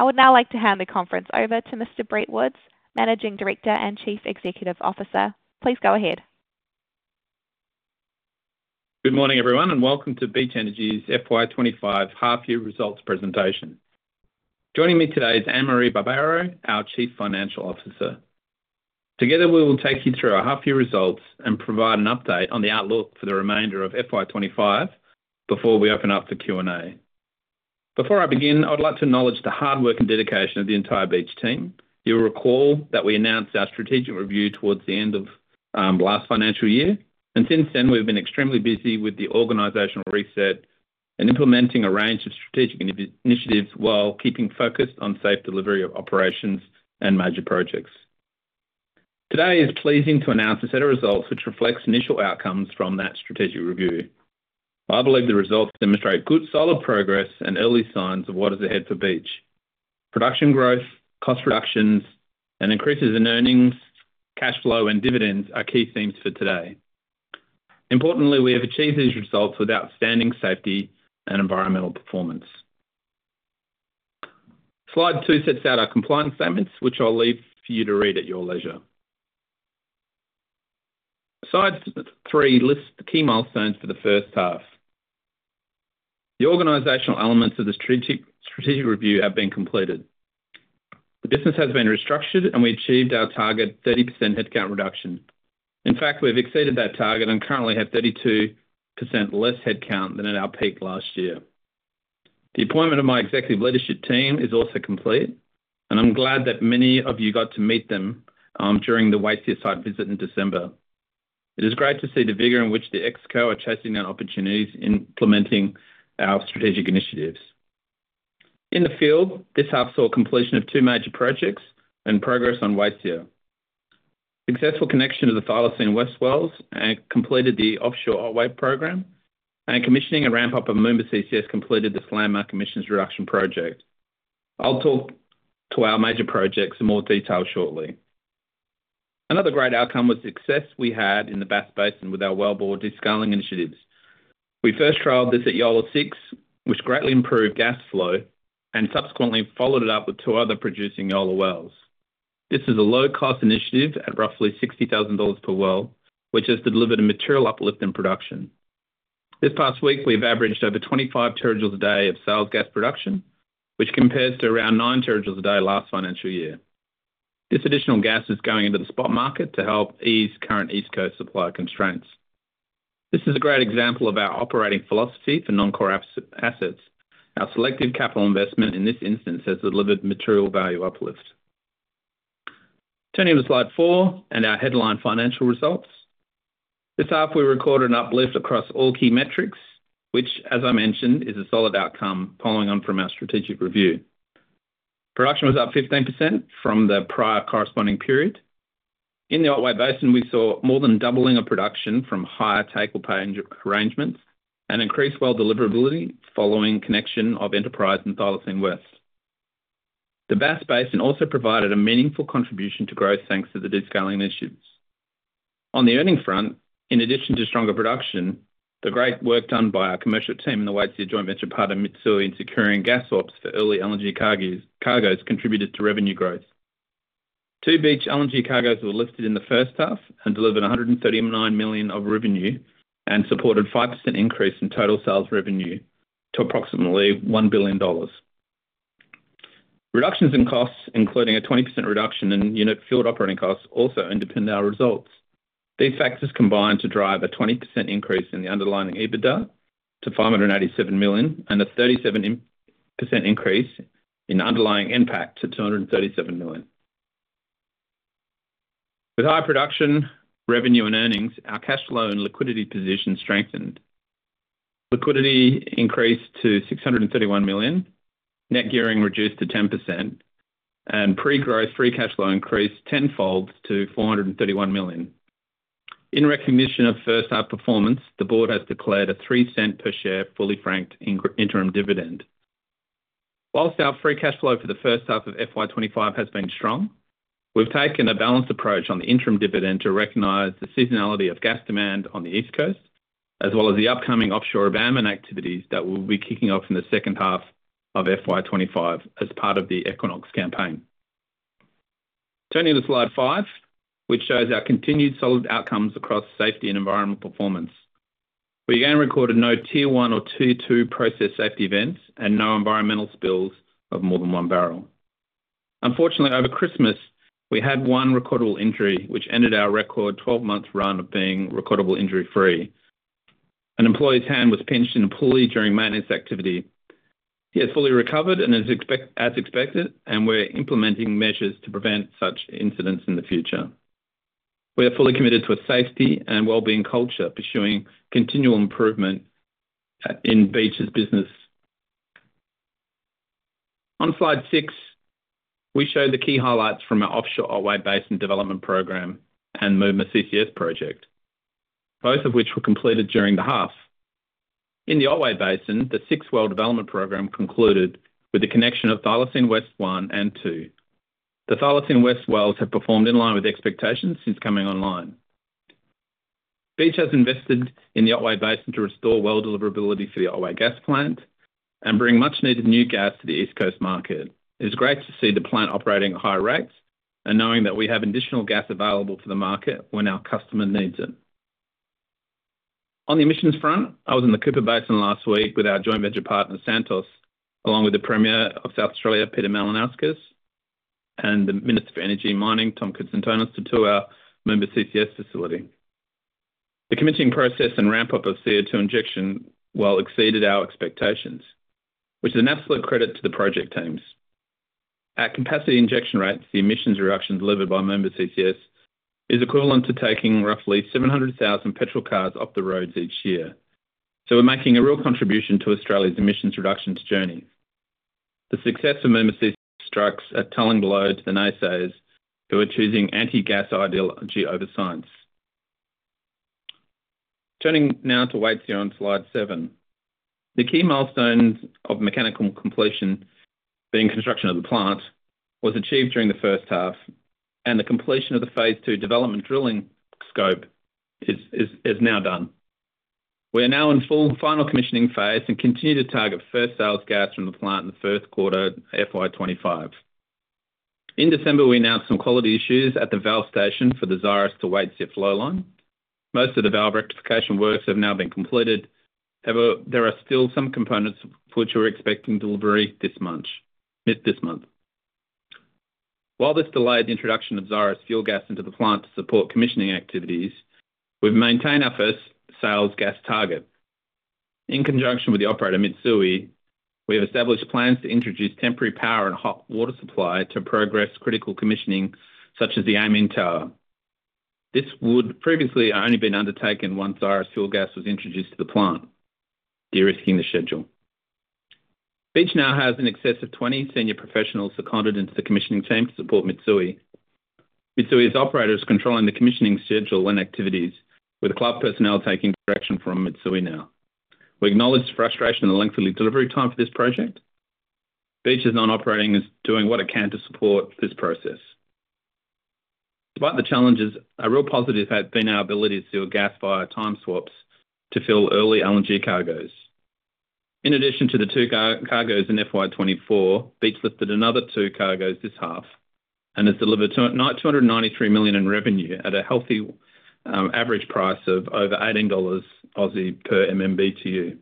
I would now like to hand the conference over to Mr. Brett Woods, Managing Director and Chief Executive Officer. Please go ahead. Good morning, everyone, and welcome to Beach Energy's FY 2025 half-year results presentation. Joining me today is Anne-Marie Barbaro, our Chief Financial Officer. Together, we will take you through our half-year results and provide an update on the outlook for the remainder of FY 2025 before we open up for Q&A. Before I begin, I'd like to acknowledge the hard work and dedication of the entire Beach team. You'll recall that we announced our strategic review towards the end of last financial year, and since then, we've been extremely busy with the organizational reset and implementing a range of strategic initiatives while keeping focus on safe delivery of operations and major projects. Today is pleasing to announce a set of results which reflects initial outcomes from that strategic review. I believe the results demonstrate good, solid progress and early signs of what is ahead for Beach. Production growth, cost reductions, and increases in earnings, cash flow, and dividends are key themes for today. Importantly, we have achieved these results with outstanding safety and environmental performance. Slide two sets out our compliance statements, which I'll leave for you to read at your leisure. Slide three lists the key milestones for the first half. The organizational elements of the strategic review have been completed. The business has been restructured, and we achieved our target 30% headcount reduction. In fact, we've exceeded that target and currently have 32% less headcount than at our peak last year. The appointment of my executive leadership team is also complete, and I'm glad that many of you got to meet them during the Waitsia site visit in December. It is great to see the vigor in which the ExCo are chasing out opportunities in implementing our strategic initiatives. In the field, this half saw completion of two major projects and progress on Waitsia. Successful connection to the Thylacine West wells and completed the offshore Otway program, and commissioning a ramp-up of Moomba CCS completed the carbon emissions reduction project. I'll talk to our major projects in more detail shortly. Another great outcome was success we had in the Bass Basin with our wellbore descaling initiatives. We first trialed this at Yolla-6, which greatly improved gas flow, and subsequently followed it up with two other producing Yolla wells. This is a low-cost initiative at roughly 60,000 dollars per well, which has delivered a material uplift in production. This past week, we've averaged over 25 TJ a day of sales gas production, which compares to around nine TJ a day last financial year. This additional gas is going into the spot market to help ease current East Coast supply constraints. This is a great example of our operating philosophy for non-core assets. Our selective capital investment in this instance has delivered material value uplift. Turning to slide and our headline financial results. This half, we recorded an uplift across all key metrics, which, as I mentioned, is a solid outcome following on from our strategic review. Production was up 15% from the prior corresponding period. In the Otway Basin, we saw more than doubling of production from higher take-up arrangements and increased well deliverability following connection of Enterprise and Thylacine West. The Bass Basin also provided a meaningful contribution to growth thanks to the descaling initiatives. On the earnings front, in addition to stronger production, the great work done by our commercial team and the Waitsia joint venture partner, Mitsui, in securing gas swaps for early LNG cargoes contributed to revenue growth. Two Beach LNG cargoes were lifted in the first half and delivered 139 million of revenue and supported a 5% increase in total sales revenue to approximately 1 billion dollars. Reductions in costs, including a 20% reduction in unit field operating costs, also impacted our results. These factors combined to drive a 20% increase in the underlying EBITDA to 587 million and a 37% increase in underlying NPAT to 237 million. With high production, revenue, and earnings, our cash flow and liquidity position strengthened. Liquidity increased to 631 million, net gearing reduced to 10%, and pre-growth free cash flow increased tenfold to 431 million. In recognition of first-half performance, the board has declared a 0.03 per share fully franked interim dividend. While our free cash flow for the first half of FY 2025 has been strong, we've taken a balanced approach on the interim dividend to recognize the seasonality of gas demand on the East Coast, as well as the upcoming offshore abandonment activities that will be kicking off in the second half of FY 2025 as part of the Equinox campaign. Turning to slide five, which shows our continued solid outcomes across safety and environmental performance. We again recorded no tier one or tier two process safety events and no environmental spills of more than one barrel. Unfortunately, over Christmas, we had one recordable injury which ended our record 12-month run of being recordable injury-free. An employee's hand was pinched in a pulley during maintenance activity. He has fully recovered and is as expected, and we're implementing measures to prevent such incidents in the future. We are fully committed to a safety and well-being culture, pursuing continual improvement in Beach's business. On slide six, we show the key highlights from our offshore Otway Basin development program and Moomba CCS project, both of which were completed during the half. In the Otway Basin, the sixth well development program concluded with the connection of Thylacine West 1 and 2. The Thylacine West wells have performed in line with expectations since coming online. Beach has invested in the Otway Basin to restore well deliverability for the Otway Gas Plant and bring much-needed new gas to the East Coast market. It is great to see the plant operating at higher rates and knowing that we have additional gas available for the market when our customer needs it. On the emissions front, I was in the Cooper Basin last week with our joint venture partner, Santos, along with the Premier of South Australia, Peter Malinauskas, and the Minister for Energy and Mining, Tom Koutsantonis, to tour our Moomba CCS facility. The commissioning process and ramp-up of CO2 injection well exceeded our expectations, which is an absolute credit to the project teams. At capacity injection rates, the emissions reduction delivered by Moomba CCS is equivalent to taking roughly 700,000 petrol cars off the roads each year. So we're making a real contribution to Australia's emissions reduction journey. The success of Moomba CCS strikes a telling blow to the naysayers who are choosing anti-gas ideology over science. Turning now to Waitsia on slide seven, the key milestones of mechanical completion being construction of the plant was achieved during the first half, and the completion of the phase II development drilling scope is now done. We are now in full final commissioning phase and continue to target first sales gas from the plant in the first quarter of FY 2025. In December, we announced some quality issues at the valve station for the Xyris to Waitsia flowline. Most of the valve rectification works have now been completed, but there are still some components for which we're expecting delivery this month. While this delayed the introduction of Xyris fuel gas into the plant to support commissioning activities, we've maintained our first sales gas target. In conjunction with the operator, Mitsui, we have established plans to introduce temporary power and hot water supply to progress critical commissioning, such as the Amine Tower. This would previously have only been undertaken once Xyris fuel gas was introduced to the plant, de-risking the schedule. Beach now has in excess of 20 senior professionals seconded into the commissioning team to support Mitsui. Mitsui's operator is controlling the commissioning schedule and activities, with Clough personnel taking direction from Mitsui now. We acknowledge the frustration and lengthy delivery time for this project. Beach is now operating as doing what it can to support this process. Despite the challenges, a real positive has been our ability to see gas via time swaps to fill early LNG cargoes. In addition to the two cargoes in FY 2024, Beach lifted another two cargoes this half and has delivered 293 million in revenue at a healthy average price of over 18 dollars Aussie per MMBtu.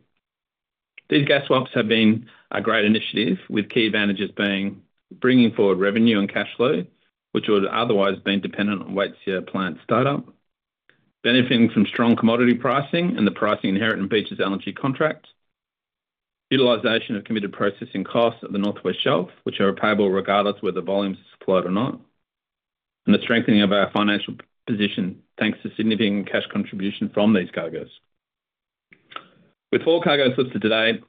These gas swaps have been a great initiative, with key advantages being bringing forward revenue and cash flow, which would otherwise have been dependent on Waitsia plant startup, benefiting from strong commodity pricing and the pricing inherent in Beach's LNG contract, utilization of committed processing costs at the North West Shelf, which are repayable regardless of whether volumes are supplied or not, and the strengthening of our financial position thanks to significant cash contribution from these cargoes. With four cargoes lifted to date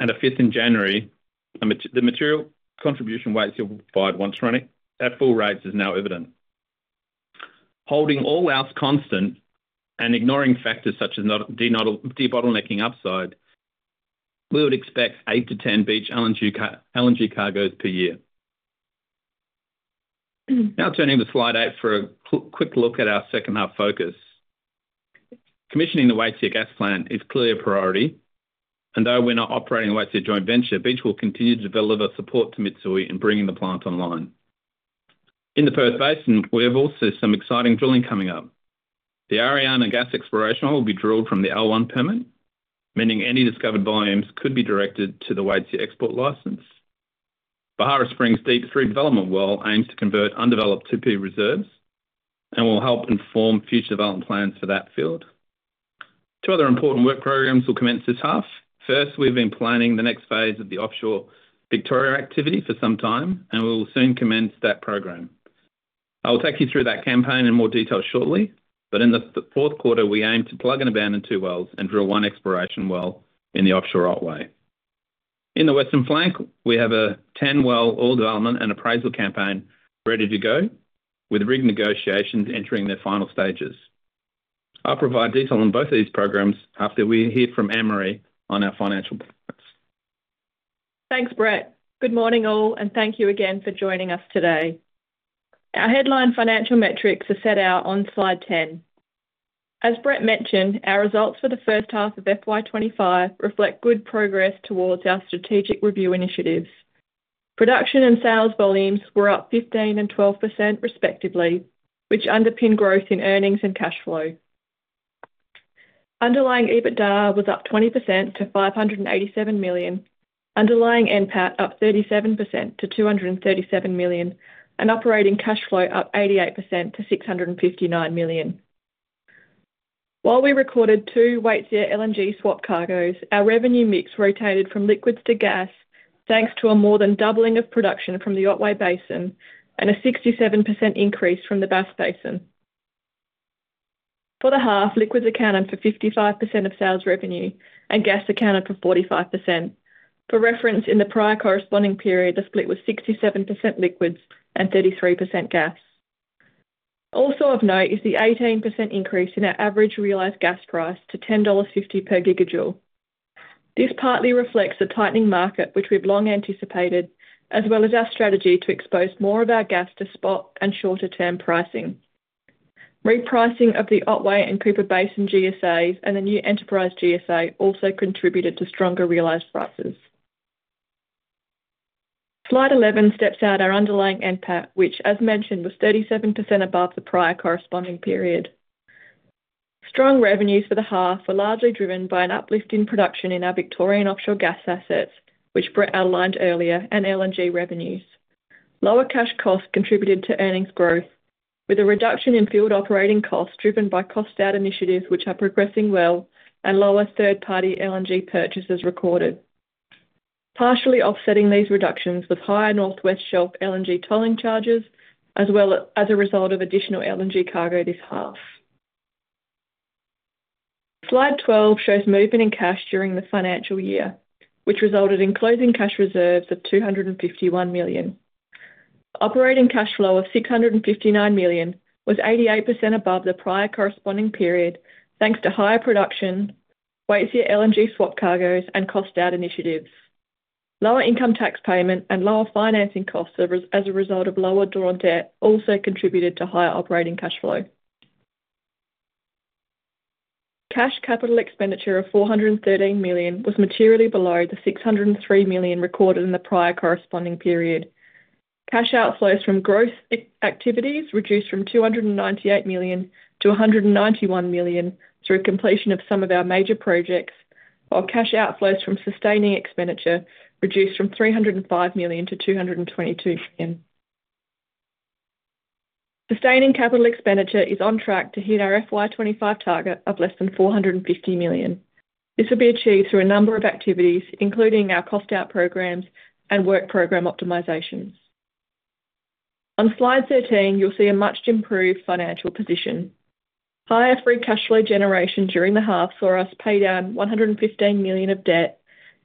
and a 5th in January, the material contribution Waitsia provide once running at full rates is now evident. Holding all else constant and ignoring factors such as debottlenecking upside, we would expect eight to 10 Beach LNG cargoes per year. Now turning to slide eight for a quick look at our second-half focus. Commissioning the Waitsia Gas Plant is clearly a priority, and though we're not operating a Waitsia joint venture, Beach will continue to deliver support to Mitsui in bringing the plant online. In the Perth Basin, we have also some exciting drilling coming up. The Arenaria gas exploration hole will be drilled from the L1 permit, meaning any discovered volumes could be directed to the Waitsia export license. Beharra Springs Deep 3 development well aims to convert undeveloped 2P reserves and will help inform future development plans for that field. Two other important work programs will commence this half. First, we've been planning the next phase of the offshore Victoria activity for some time, and we will soon commence that program. I will take you through that campaign in more detail shortly, but in the fourth quarter, we aim to plug and abandon two wells and drill one exploration well in the offshore Otway. In the Western Flank, we have a 10-well oil development and appraisal campaign ready to go, with rig negotiations entering their final stages. I'll provide detail on both of these programs after we hear from Anne-Marie on our financial plans. Thanks, Brett. Good morning all, and thank you again for joining us today. Our headline financial metrics are set out on slide 10. As Brett mentioned, our results for the first half of FY 2025 reflect good progress towards our strategic review initiatives. Production and sales volumes were up 15% and 12% respectively, which underpinned growth in earnings and cash flow. Underlying EBITDA was up 20% to 587 million, underlying NPAT up 37% to 237 million, and operating cash flow up 88% to 659 million. While we recorded two Waitsia LNG swap cargoes, our revenue mix rotated from liquids to gas thanks to a more than doubling of production from the Otway Basin and a 67% increase from the Bass Basin. For the half, liquids accounted for 55% of sales revenue and gas accounted for 45%. For reference, in the prior corresponding period, the split was 67% liquids and 33% gas. Also of note is the 18% increase in our average realized gas price to 10.50 dollars per gigajoule. This partly reflects the tightening market, which we've long anticipated, as well as our strategy to expose more of our gas to spot and shorter-term pricing. Repricing of the Otway and Cooper Basin GSAs and the new Enterprise GSA also contributed to stronger realized prices. Slide 11 steps out our underlying impact, which, as mentioned, was 37% above the prior corresponding period. Strong revenues for the half were largely driven by an uplift in production in our Victorian offshore gas assets, which Brett outlined earlier, and LNG revenues. Lower cash costs contributed to earnings growth, with a reduction in field operating costs driven by cost-out initiatives, which are progressing well, and lower third-party LNG purchases recorded. Partially offsetting these reductions was higher North West Shelf LNG tolling charges, as well as a result of additional LNG cargo this half. Slide 12 shows movement in cash during the financial year, which resulted in closing cash reserves of 251 million. Operating cash flow of 659 million was 88% above the prior corresponding period, thanks to higher production, Waitsia LNG swap cargoes, and cost-out initiatives. Lower income tax payment and lower financing costs as a result of lower drawn debt also contributed to higher operating cash flow. Cash capital expenditure of 413 million was materially below the 603 million recorded in the prior corresponding period. Cash outflows from growth activities reduced from 298 million-191 million through completion of some of our major projects, while cash outflows from sustaining expenditure reduced from 305 million to 222 million. Sustaining capital expenditure is on track to hit our FY 2025 target of less than 450 million. This will be achieved through a number of activities, including our cost-out programs and work program optimizations. On slide 13, you'll see a much improved financial position. Higher free cash flow generation during the half saw us pay down 115 million of debt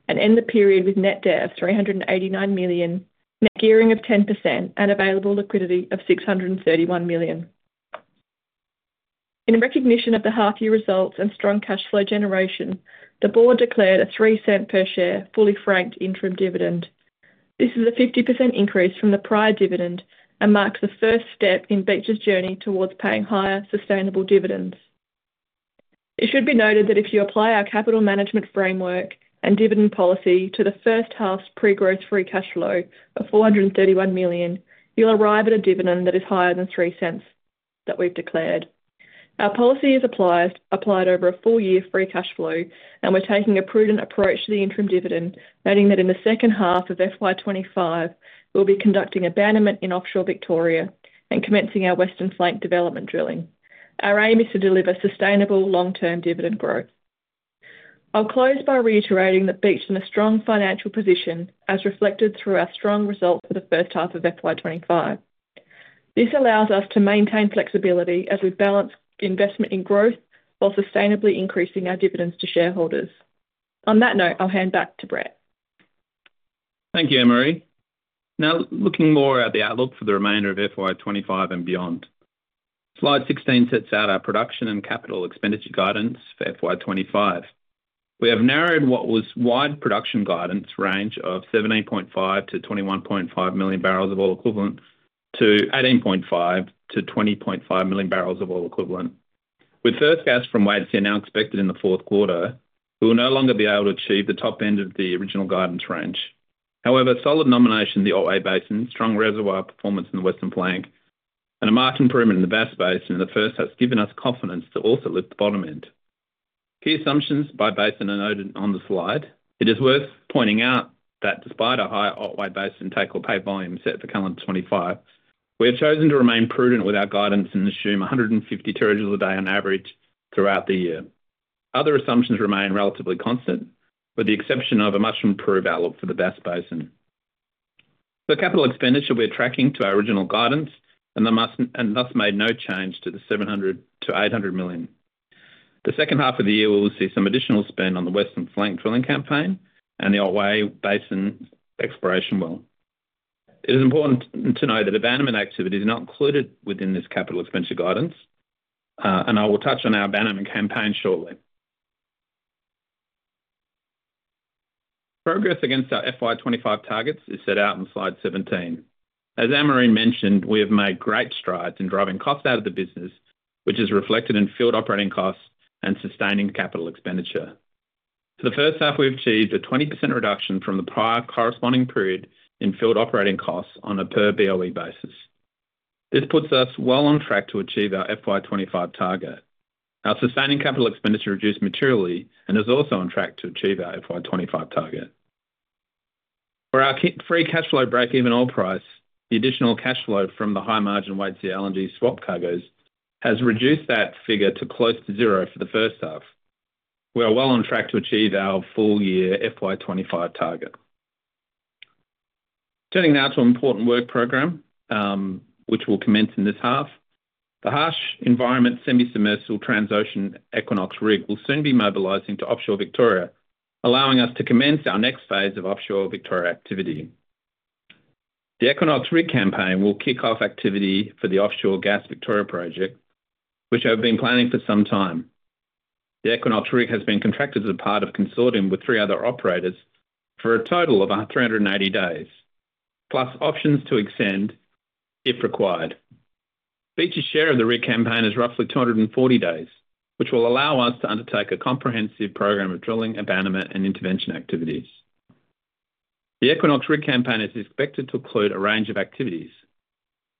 and end the period with net debt of 389 million, net gearing of 10%, and available liquidity of 631 million. In recognition of the half-year results and strong cash flow generation, the board declared a 0.03 per share fully franked interim dividend. This is a 50% increase from the prior dividend and marks the first step in Beach's journey towards paying higher sustainable dividends. It should be noted that if you apply our capital management framework and dividend policy to the first half's pre-growth free cash flow of 431 million, you'll arrive at a dividend that is higher than 0.03 that we've declared. Our policy is applied over a full year free cash flow, and we're taking a prudent approach to the interim dividend, noting that in the second half of FY 2025, we'll be conducting abandonment in offshore Victoria and commencing our Western Flank development drilling. Our aim is to deliver sustainable long-term dividend growth. I'll close by reiterating that Beach is in a strong financial position, as reflected through our strong results for the first half of FY 2025. This allows us to maintain flexibility as we balance investment in growth while sustainably increasing our dividends to shareholders. On that note, I'll hand back to Brett. Thank you, Anne-Marie. Now looking more at the outlook for the remainder of FY 2025 and beyond, slide 16 sets out our production and capital expenditure guidance for FY 2025. We have narrowed what was wide production guidance range of 17.5-21.5 million barrels of oil equivalent to 18.5-20.5 million barrels of oil equivalent. With first gas from Waitsia now expected in the fourth quarter, we will no longer be able to achieve the top end of the original guidance range. However, solid nomination in the Otway Basin, strong reservoir performance in the Western Flank, and a marked improvement in the Bass Basin in the first half has given us confidence to also lift the bottom end. Key assumptions by basin are noted on the slide. It is worth pointing out that despite a higher Otway Basin take or pay volume set for calendar 2025, we have chosen to remain prudent with our guidance and assume 150 TJ a day on average throughout the year. Other assumptions remain relatively constant, with the exception of a much improved outlook for the Bass Basin. The capital expenditure we are tracking to our original guidance and thus made no change to the 700 million-800 million. The second half of the year, we will see some additional spend on the Western Flank drilling campaign and the Otway Basin exploration well. It is important to note that abandonment activity is not included within this capital expenditure guidance, and I will touch on our abandonment campaign shortly. Progress against our FY 2025 targets is set out on slide 17. As Anne-Marie mentioned, we have made great strides in driving costs out of the business, which is reflected in field operating costs and sustaining capital expenditure. For the first half, we've achieved a 20% reduction from the prior corresponding period in field operating costs on a per BOE basis. This puts us well on track to achieve our FY 2025 target. Our sustaining capital expenditure reduced materially and is also on track to achieve our FY 2025 target. For our free cash flow break-even oil price, the additional cash flow from the high margin Waitsia LNG swap cargoes has reduced that figure to close to zero for the first half. We are well on track to achieve our full year FY 2025 target. Turning now to an important work program, which will commence in this half, the harsh environment semi-submersible Transocean Equinox rig will soon be mobilizing to offshore Victoria, allowing us to commence our next phase of offshore Victoria activity. The Equinox rig campaign will kick off activity for the offshore gas Victoria project, which I've been planning for some time. The Equinox rig has been contracted as a part of consortium with three other operators for a total of 380 days, plus options to extend if required. Beach's share of the rig campaign is roughly 240 days, which will allow us to undertake a comprehensive program of drilling, abandonment, and intervention activities. The Equinox rig campaign is expected to include a range of activities.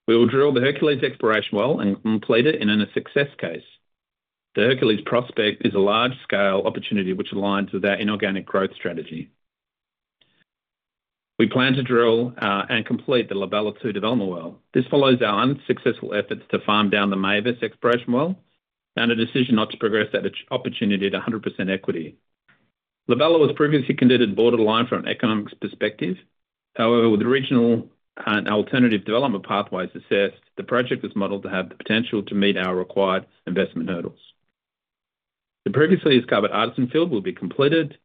We will drill the Hercules exploration well and complete it in a success case. The Hercules prospect is a large-scale opportunity which aligns with our inorganic growth strategy. We plan to drill and complete the La Bella 2 development well. This follows our unsuccessful efforts to farm down the Mavis exploration well and a decision not to progress that opportunity to 100% equity. La Bella was previously considered borderline from an economic perspective. However, with regional and alternative development pathways assessed, the project is modeled to have the potential to meet our required investment hurdles. The previously discovered Artisan field will be completed,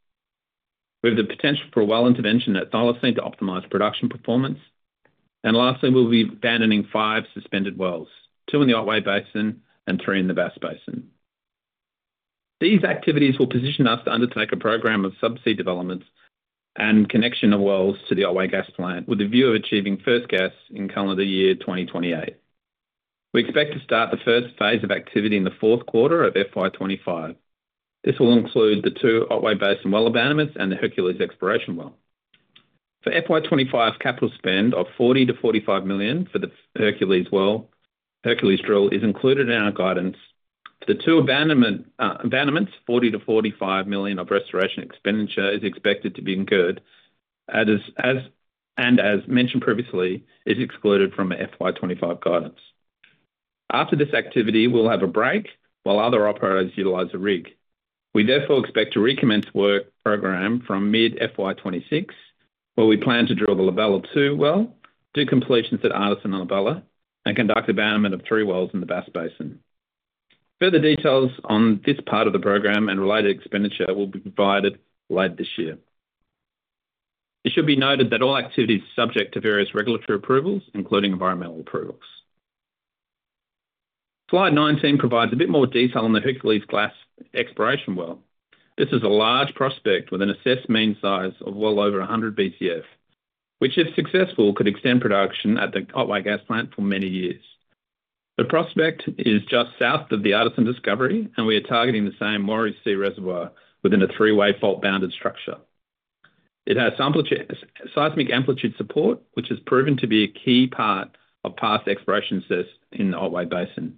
with the potential for a well intervention at Thylacine to optimize production performance. Lastly, we'll be abandoning five suspended wells, two in the Otway Basin and three in the Bass Basin. These activities will position us to undertake a program of subsea developments and connection of wells to the Otway Gas Plant, with the view of achieving first gas in calendar year 2028. We expect to start the 1st phase of activity in the fourth quarter of FY 2025. This will include the two Otway Basin well abandonments and the Hercules exploration well. For FY 2025, capital spend of 40 million-45 million for the Hercules drill is included in our guidance. For the two abandonments, $40 million-$45 million of restoration expenditure is expected to be incurred, and as mentioned previously, is excluded from FY 2025 guidance. After this activity, we'll have a break while other operators utilize the rig. We therefore expect to recommence work program from mid-FY 2026, where we plan to drill the La Bella 2 well, do completions at Artisan and La Bella, and conduct abandonment of three wells in the Bass Basin. Further details on this part of the program and related expenditure will be provided late this year. It should be noted that all activity is subject to various regulatory approvals, including environmental approvals. Slide 19 provides a bit more detail on the Hercules gas exploration well. This is a large prospect with an assessed mean size of well over 100 Bcf, which, if successful, could extend production at the Otway Gas Plant for many years. The prospect is just south of the Artisan discovery, and we are targeting the same Morrison reservoir within a three-way fault-bounded structure. It has seismic amplitude support, which has proven to be a key part of past exploration success in the Otway Basin.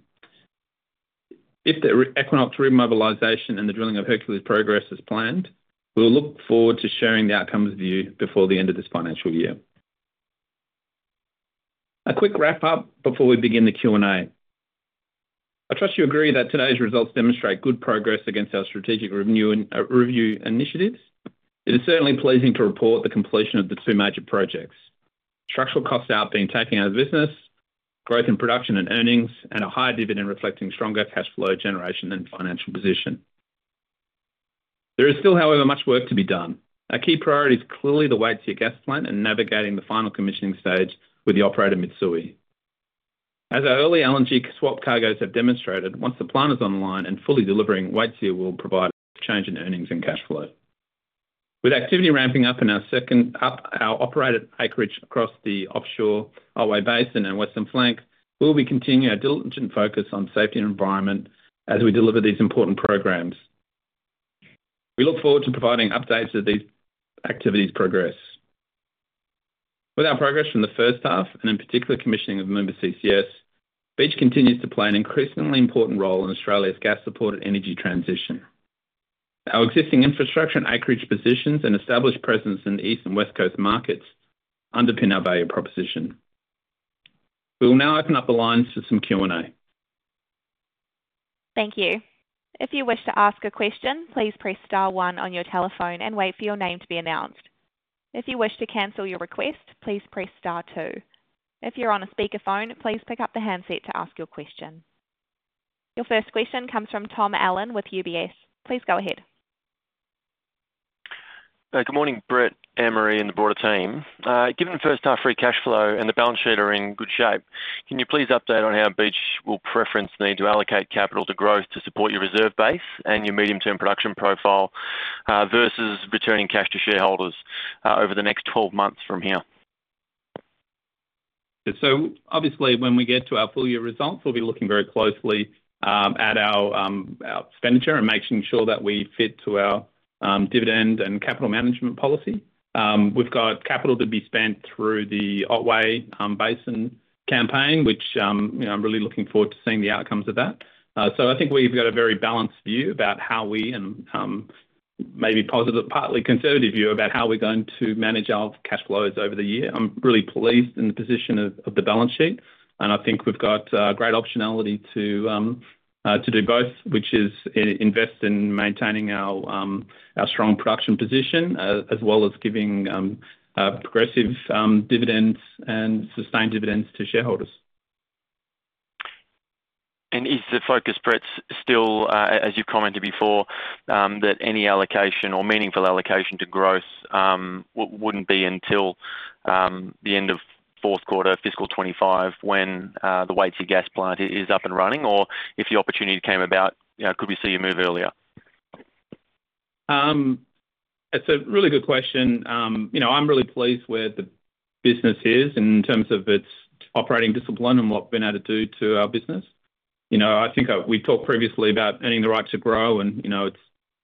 If the Equinox rig mobilization and the drilling of Hercules progress is planned, we'll look forward to sharing the outcomes with you before the end of this financial year. A quick wrap-up before we begin the Q&A. I trust you agree that today's results demonstrate good progress against our strategic review initiatives. It is certainly pleasing to report the completion of the two major projects: structural costs out being taken out of business, growth in production and earnings, and a higher dividend reflecting stronger cash flow generation and financial position. There is still, however, much work to be done. Our key priority is clearly the Waitsia gas plant and navigating the final commissioning stage with the operator Mitsui. As our early LNG swap cargoes have demonstrated, once the plant is online and fully delivering, Waitsia will provide a change in earnings and cash flow. With activity ramping up in our operated acreage across the offshore Otway Basin and Western Flank, we will be continuing our diligent focus on safety and environment as we deliver these important programs. We look forward to providing updates as these activities progress. With our progress from the first half, and in particular commissioning of Moomba CCS, Beach continues to play an increasingly important role in Australia's gas-supported energy transition. Our existing infrastructure and acreage positions and established presence in the east and west coast markets underpin our value proposition. We will now open up the lines for some Q&A. Thank you. If you wish to ask a question, please press star one on your telephone and wait for your name to be announced. If you wish to cancel your request, please press star two. If you're on a speakerphone, please pick up the handset to ask your question. Your first question comes from Tom Allen with UBS. Please go ahead. Good morning, Brett, Anne-Marie, and the broader team. Given the first half free cash flow and the balance sheet are in good shape, can you please update on how Beach will preference the need to allocate capital to growth to support your reserve base and your medium-term production profile versus returning cash to shareholders over the next 12 months from here? So obviously, when we get to our full year results, we'll be looking very closely at our expenditure and making sure that we fit to our dividend and capital management policy. We've got capital to be spent through the Otway Basin campaign, which I'm really looking forward to seeing the outcomes of that. So I think we've got a very balanced view about how we and maybe partly conservative view about how we're going to manage our cash flows over the year. I'm really pleased in the position of the balance sheet, and I think we've got great optionality to do both, which is invest in maintaining our strong production position as well as giving progressive dividends and sustained dividends to shareholders. Is the focus, Brett, still, as you've commented before, that any allocation or meaningful allocation to growth wouldn't be until the end of fourth quarter, fiscal 2025, when the Waitsia Gas Plant is up and running, or if the opportunity came about, could we see a move earlier? It's a really good question. I'm really pleased where the business is in terms of its operating discipline and what we've been able to do to our business. I think we've talked previously about earning the right to grow, and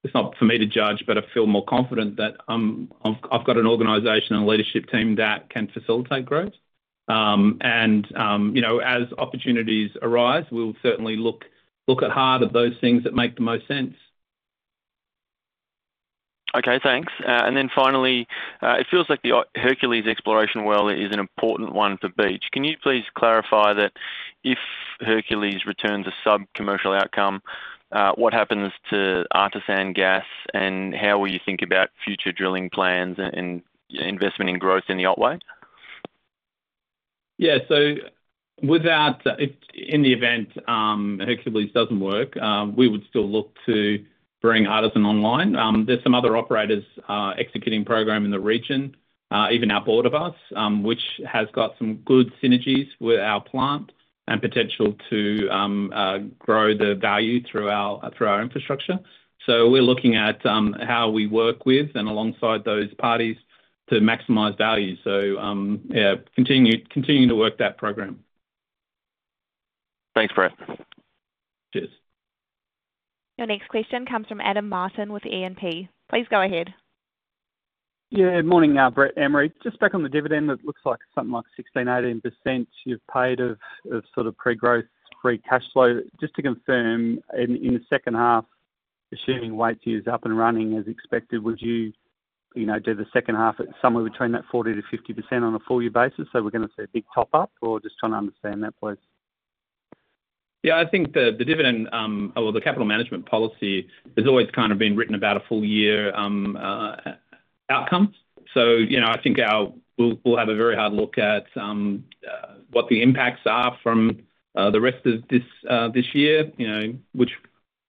it's not for me to judge, but I feel more confident that I've got an organization and leadership team that can facilitate growth. And as opportunities arise, we'll certainly look hard at those things that make the most sense. Okay, thanks. And then finally, it feels like the Hercules exploration well is an important one for Beach. Can you please clarify that if Hercules returns a sub-commercial outcome, what happens to Artisan gas, and how will you think about future drilling plans and investment in growth in the Otway? Yeah, so in the event Hercules doesn't work, we would still look to bring Artisan online. There's some other operators executing programs in the region, even outboard of us, which has got some good synergies with our plant and potential to grow the value through our infrastructure. So we're looking at how we work with and alongside those parties to maximize value. So yeah, continuing to work that program. Thanks, Brett. Cheers. Your next question comes from Adam Martin with E&P. Please go ahead. Yeah, good morning, Brett, Anne-Marie. Just back on the dividend, it looks like something like 16%-18% you've paid of sort of pre-growth, free cash flow. Just to confirm, in the second half, assuming Waitsia is up and running as expected, would you do the second half at somewhere between that 40%-50% on a full year basis? So we're going to see a big top-up, or just trying to understand that place. Yeah, I think the dividend, or the capital management policy, has always kind of been written about a full year outcome. So I think we'll have a very hard look at what the impacts are from the rest of this year, which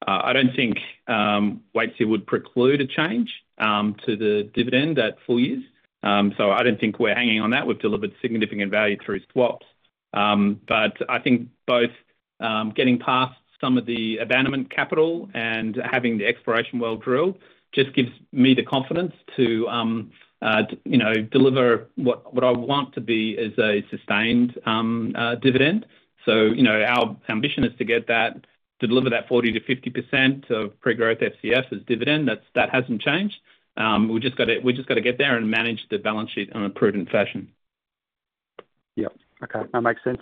I don't think Waitsia would preclude a change to the dividend at full years. So I don't think we're hanging on that. We've delivered significant value through swaps. But I think both getting past some of the abandonment capital and having the exploration well drilled just gives me the confidence to deliver what I want to be as a sustained dividend. So our ambition is to get that, to deliver that 40%-50% of pre-growth FCF as dividend. That hasn't changed. We've just got to get there and manage the balance sheet in a prudent fashion. Yep, okay, that makes sense.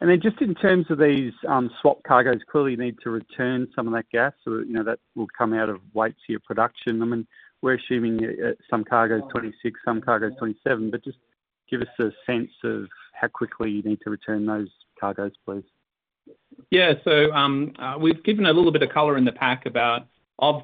And then just in terms of these swap cargoes, clearly you need to return some of that gas that will come out of Waitsia production. I mean, we're assuming some cargoes 2026, some cargoes 2027, but just give us a sense of how quickly you need to return those cargoes, please. Yeah, so we've given a little bit of colour in the pack about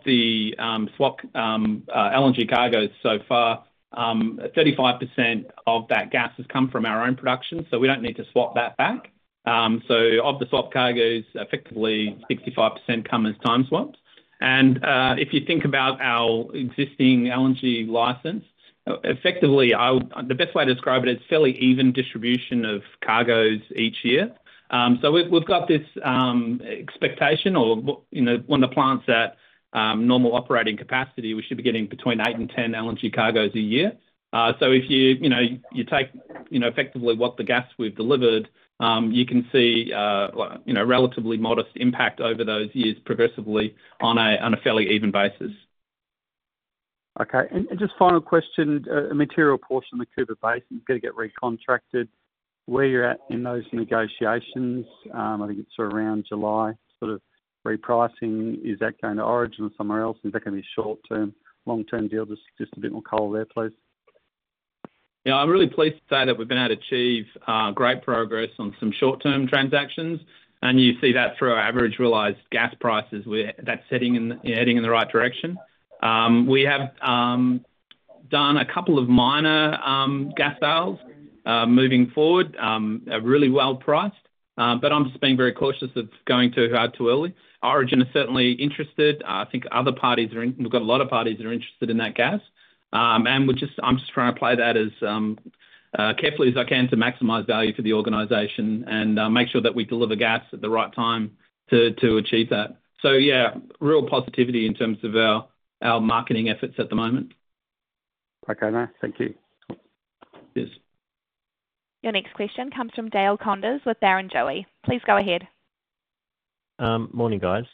the swap LNG cargoes so far. 35% of that gas has come from our own production, so we don't need to swap that back. So of the swap cargoes, effectively 65% come as time swaps. And if you think about our existing LNG license, effectively the best way to describe it is fairly even distribution of cargoes each year. So we've got this expectation or one of the plants at normal operating capacity, we should be getting between eight and 10 LNG cargoes a year. So if you take effectively what the gas we've delivered, you can see a relatively modest impact over those years progressively on a fairly even basis. Okay, and just final question, a material portion of the Cooper Basin is going to get reconstructed. Where you're at in those negotiations, I think it's around July, sort of repricing, is that going to Origin or somewhere else? Is that going to be a short-term, long-term deal? Just a bit more color there, please. Yeah, I'm really pleased to say that we've been able to achieve great progress on some short-term transactions, and you see that through our average realized gas prices. That's heading in the right direction. We have done a couple of minor gas sales moving forward, really well priced, but I'm just being very cautious of going too hard too early. Origin is certainly interested. I think other parties are in, we've got a lot of parties that are interested in that gas, and I'm just trying to play that as carefully as I can to maximize value for the organization and make sure that we deliver gas at the right time to achieve that. So yeah, real positivity in terms of our marketing efforts at the moment. Okay, no, thank you. Cheers. Your next question comes from Dale Koenders with Barrenjoey. Please go ahead. Morning, guys.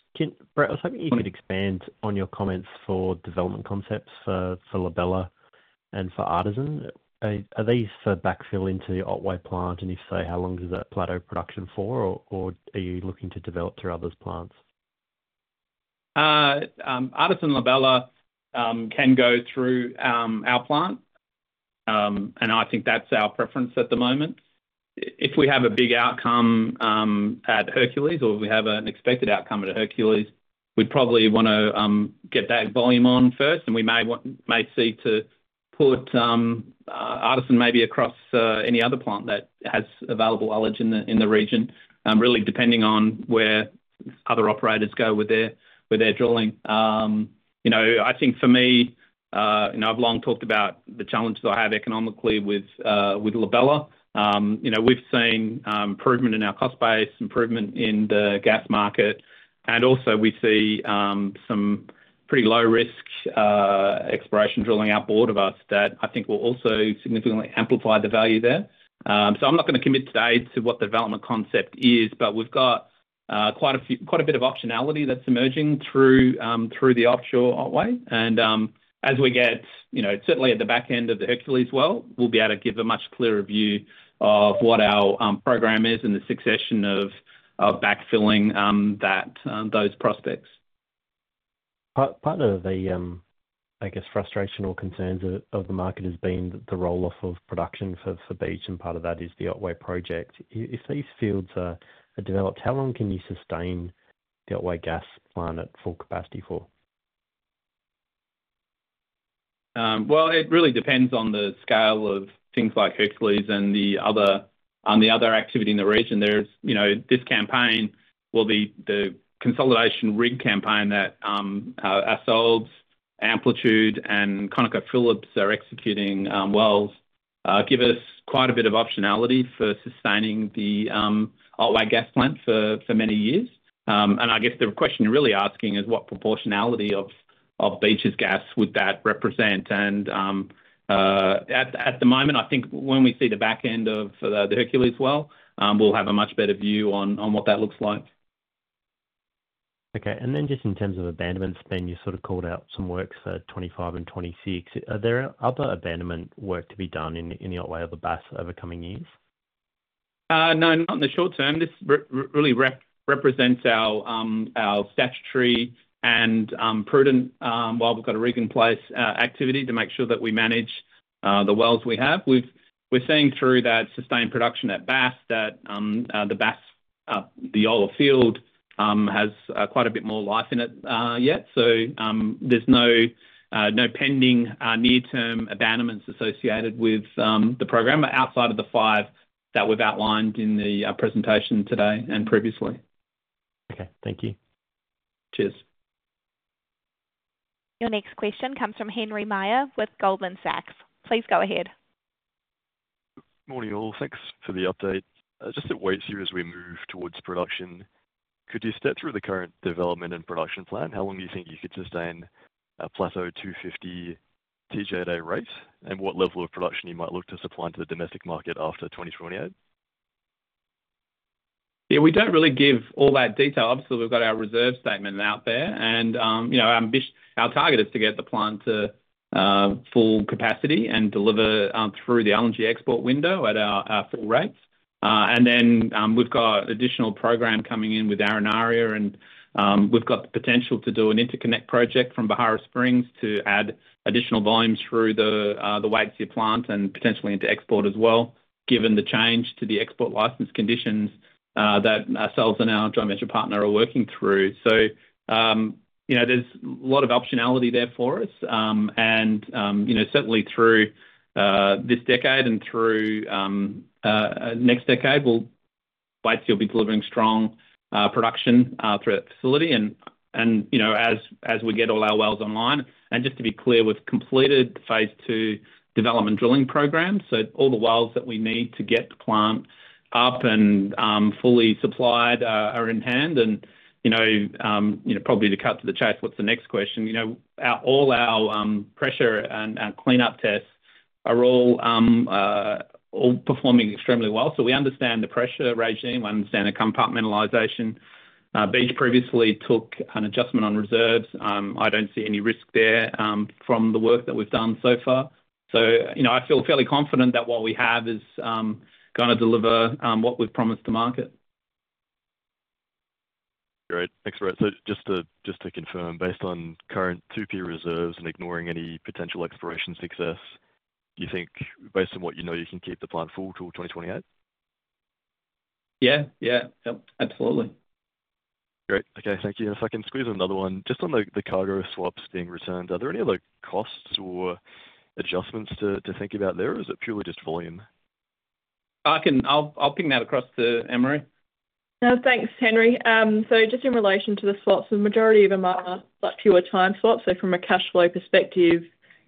Brett, I was hoping you could expand on your comments for development concepts for La Bella and for Artisan. Are these for backfill into the Otway plant, and if so, how long is that plateau production for, or are you looking to develop through others' plants? Artisan La Bella can go through our plant, and I think that's our preference at the moment. If we have a big outcome at Hercules, or we have an expected outcome at Hercules, we'd probably want to get that volume on first, and we may seek to put Artisan maybe across any other plant that has available ullage in the region, really depending on where other operators go with their drilling. I think for me, I've long talked about the challenges I have economically with La Bella. We've seen improvement in our cost base, improvement in the gas market, and also we see some pretty low-risk exploration drilling outboard of us that I think will also significantly amplify the value there. I'm not going to commit today to what the development concept is, but we've got quite a bit of optionality that's emerging through the offshore Otway, and as we get certainly at the back end of the Hercules well, we'll be able to give a much clearer view of what our program is and the succession of backfilling those prospects. Part of the, I guess, frustration or concerns of the market has been the roll-off of production for Beach, and part of that is the Otway project. If these fields are developed, how long can you sustain the Otway gas plant at full capacity for? Well, it really depends on the scale of things like Hercules and the other activity in the region. This campaign will be the consolidation rig campaign that our Santos, Amplitude, and ConocoPhillips are executing. Wells give us quite a bit of optionality for sustaining the Otway Gas Plant for many years. And I guess the question you're really asking is what proportionality of Beach's gas would that represent? And at the moment, I think when we see the back end of the Hercules well, we'll have a much better view on what that looks like. Okay, and then just in terms of abandonments, then you sort of called out some work for 2025 and 2026. Are there other abandonment work to be done in the Otway or the Bass over the coming years? No, not in the short term. This really represents our statutory and prudent, while we've got a rig in place, activity to make sure that we manage the wells we have. We're seeing through that sustained production at Bass that the Bass, the Yolla field, has quite a bit more life in it yet. So there's no pending near-term abandonments associated with the program outside of the five that we've outlined in the presentation today and previously. Okay, thank you. Cheers. Your next question comes from Henry Meyer with Goldman Sachs. Please go ahead. Morning, all. Thanks for the update. Just at Waitsia as we move towards production, could you step through the current development and production plan? How long do you think you could sustain a plateau 250 TJ/d rate, and what level of production you might look to supply to the domestic market after 2028? Yeah, we don't really give all that detail. Obviously, we've got our reserve statement out there, and our target is to get the plant to full capacity and deliver through the LNG export window at our full rates. And then we've got additional program coming in with Arenaria, and we've got the potential to do an interconnect project from Beharra Springs to add additional volumes through the Waitsia plant and potentially into export as well, given the change to the export licence conditions that ourselves and our joint venture partner are working through. So there's a lot of optionality there for us, and certainly through this decade and through next decade, Waitsia will be delivering strong production through that facility as we get all our wells online. Just to be clear, we've completed phase II development drilling program, so all the wells that we need to get the plant up and fully supplied are in hand. Probably to cut to the chase, what's the next question? All our pressure and our cleanup tests are all performing extremely well. We understand the pressure regime. We understand the compartmentalization. Beach previously took an adjustment on reserves. I don't see any risk there from the work that we've done so far. I feel fairly confident that what we have is going to deliver what we've promised the market. Great. Thanks, Brett. Just to confirm, based on current 2P reserves and ignoring any potential exploration success, you think based on what you know, you can keep the plant full till 2028? Yeah, yeah. Yep, absolutely. Great. Okay, thank you. If I can squeeze another one, just on the cargo swaps being returned, are there any other costs or adjustments to think about there, or is it purely just volume? I'll ping that across to Anne-Marie. No, thanks, Henry. Just in relation to the swaps, the majority of them are future time swaps. From a cash flow perspective,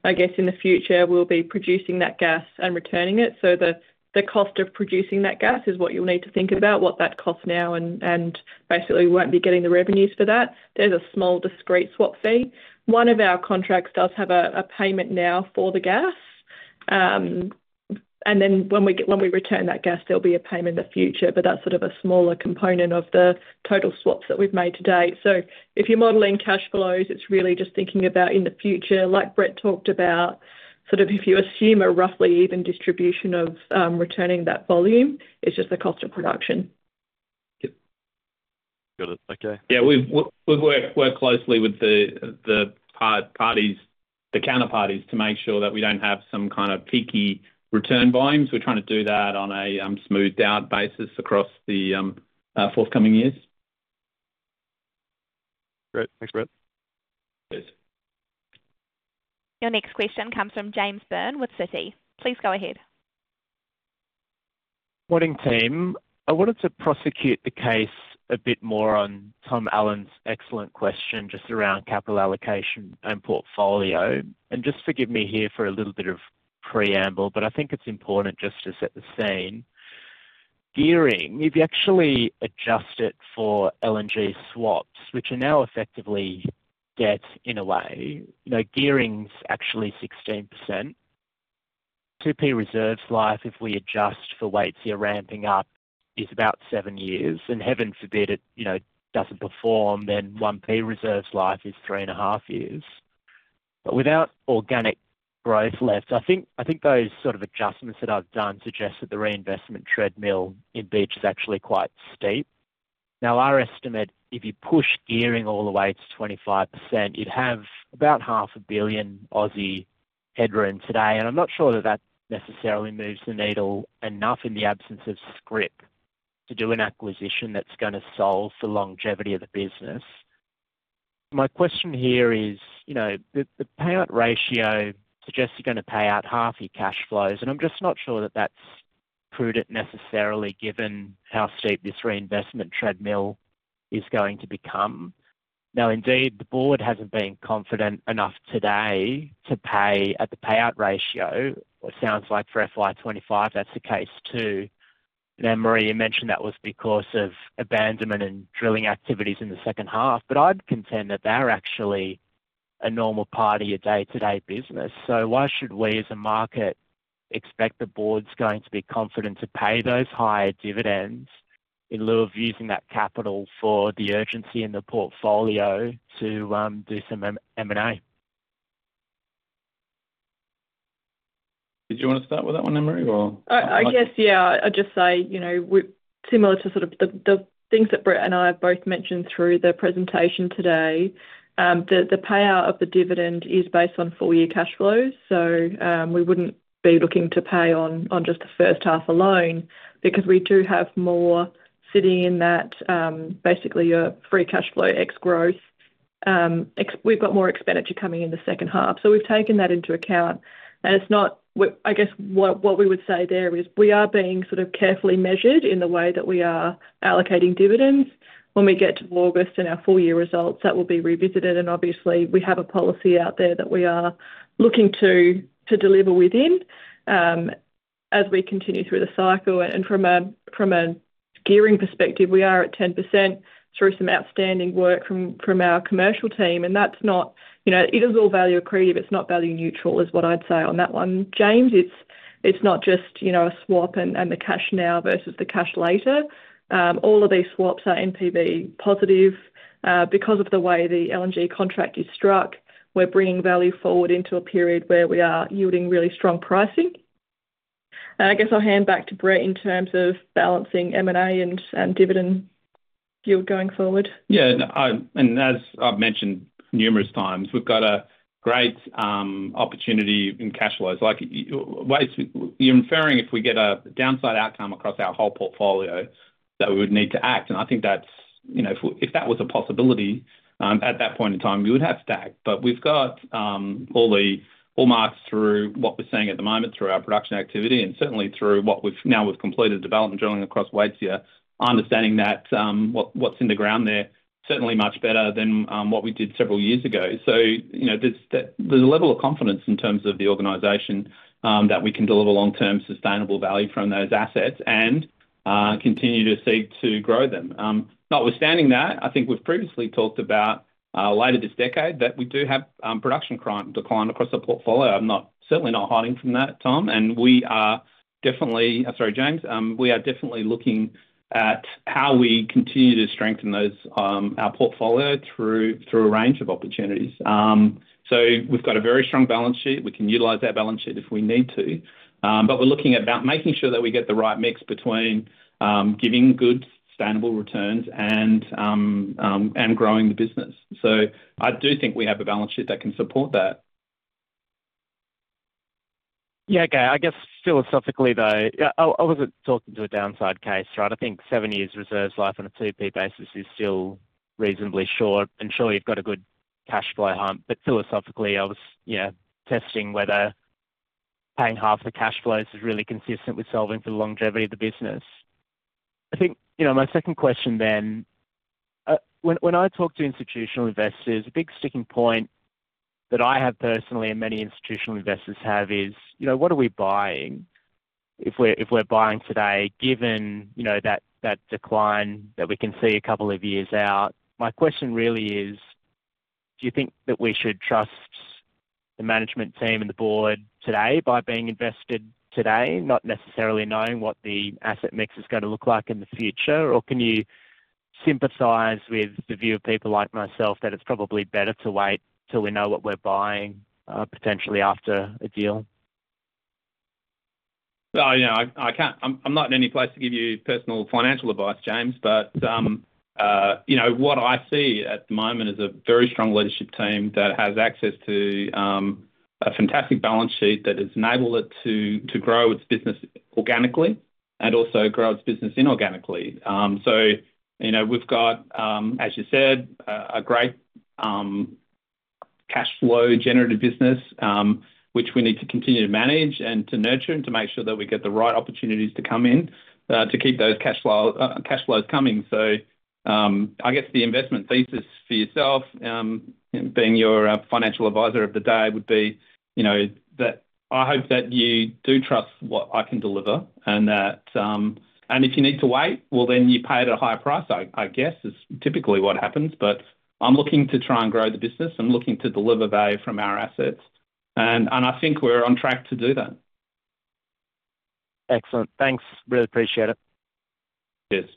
I guess in the future, we'll be producing that gas and returning it. The cost of producing that gas is what you'll need to think about, what that costs now, and basically we won't be getting the revenues for that. There's a small discrete swap fee. One of our contracts does have a payment now for the gas, and then when we return that gas, there'll be a payment in the future, but that's sort of a smaller component of the total swaps that we've made to date. So if you're modeling cash flows, it's really just thinking about in the future, like Brett talked about, sort of if you assume a roughly even distribution of returning that volume, it's just the cost of production. Yep. Got it. Okay. Yeah, we've worked closely with the counterparties to make sure that we don't have some kind of peaky return volumes. We're trying to do that on a smoothed-out basis across the forthcoming years. Great. Thanks, Brett. Cheers. Your next question comes from James Byrne with Citi. Please go ahead. Morning, team. I wanted to prosecute the case a bit more on Tom Allen's excellent question just around capital allocation and portfolio. And just forgive me here for a little bit of preamble, but I think it's important just to set the scene. Gearing, if you actually adjust it for LNG swaps, which are now effectively debt in a way, gearing's actually 16%. 2P reserves' life, if we adjust for Waitsia ramping up, is about seven years, and heaven forbid it doesn't perform, then 1P reserves' life is three and a half years. But without organic growth left, I think those sort of adjustments that I've done suggest that the reinvestment treadmill in Beach is actually quite steep. Now, our estimate, if you push gearing all the way to 25%, you'd have about 500 million headroom today, and I'm not sure that that necessarily moves the needle enough in the absence of scrip to do an acquisition that's going to solve the longevity of the business. My question here is the payout ratio suggests you're going to pay out half your cash flows, and I'm just not sure that that's prudent necessarily given how steep this reinvestment treadmill is going to become. Now, indeed, the board hasn't been confident enough today to pay at the payout ratio, which sounds like for FY 2025 that's the case too. Anne-Marie, you mentioned that was because of abandonment and drilling activities in the second half, but I'd contend that they're actually a normal part of your day-to-day business. So why should we as a market expect the board's going to be confident to pay those higher dividends in lieu of using that capital for the urgency in the portfolio to do some M&A? Did you want to start with that one, Anne-Marie, or? I guess, yeah. I'd just say similar to sort of the things that Brett and I have both mentioned through the presentation today, the payout of the dividend is based on full-year cash flows. So we wouldn't be looking to pay on just the first half alone because we do have more sitting in that basically your free cash flow ex-growth. We've got more expenditure coming in the second half, so we've taken that into account. And I guess what we would say there is we are being sort of carefully measured in the way that we are allocating dividends. When we get to August and our full-year results, that will be revisited, and obviously we have a policy out there that we are looking to deliver within as we continue through the cycle. From a gearing perspective, we are at 10% through some outstanding work from our commercial team, and that's not it is all value accretive. It's not value neutral, is what I'd say on that one. James, it's not just a swap and the cash now versus the cash later. All of these swaps are NPV positive. Because of the way the LNG contract is struck, we're bringing value forward into a period where we are yielding really strong pricing. And I guess I'll hand back to Brett in terms of balancing M&A and dividend yield going forward. Yeah. And as I've mentioned numerous times, we've got a great opportunity in cash flows. You're inferring if we get a downside outcome across our whole portfolio that we would need to act, and I think that's if that was a possibility at that point in time, we would have to act. But we've got all the hallmarks through what we're seeing at the moment through our production activity and certainly through what we've now with completed development drilling across Waitsia, understanding that what's in the ground there certainly much better than what we did several years ago. So there's a level of confidence in terms of the organization that we can deliver long-term sustainable value from those assets and continue to seek to grow them. Notwithstanding that, I think we've previously talked about later this decade that we do have production decline across the portfolio. I'm certainly not hiding from that, Tom, and we are definitely sorry, James. We are definitely looking at how we continue to strengthen our portfolio through a range of opportunities. So we've got a very strong balance sheet. We can utilize that balance sheet if we need to, but we're looking at making sure that we get the right mix between giving good sustainable returns and growing the business. So I do think we have a balance sheet that can support that. Yeah. Okay. I guess philosophically though, I wasn't talking to a downside case, right? I think seven years reserves life on a 2P basis is still reasonably short, and sure you've got a good cash flow hump, but philosophically, I was testing whether paying half the cash flows is really consistent with solving for the longevity of the business. I think my second question then, when I talk to institutional investors, a big sticking point that I have personally and many institutional investors have is, what are we buying if we're buying today given that decline that we can see a couple of years out? My question really is, do you think that we should trust the management team and the board today by being invested today, not necessarily knowing what the asset mix is going to look like in the future? Or can you sympathize with the view of people like myself that it's probably better to wait till we know what we're buying potentially after a deal? Well, I'm not in any place to give you personal financial advice, James, but what I see at the moment is a very strong leadership team that has access to a fantastic balance sheet that has enabled it to grow its business organically and also grow its business inorganically. So we've got, as you said, a great cash flow generative business, which we need to continue to manage and to nurture and to make sure that we get the right opportunities to come in to keep those cash flows coming. So I guess the investment thesis for yourself, being your financial advisor of the day, would be that I hope that you do trust what I can deliver and that if you need to wait, well, then you pay at a higher price, I guess, is typically what happens. But I'm looking to try and grow the business. I'm looking to deliver value from our assets, and I think we're on track to do that. Excellent. Thanks. Really appreciate it. Cheers.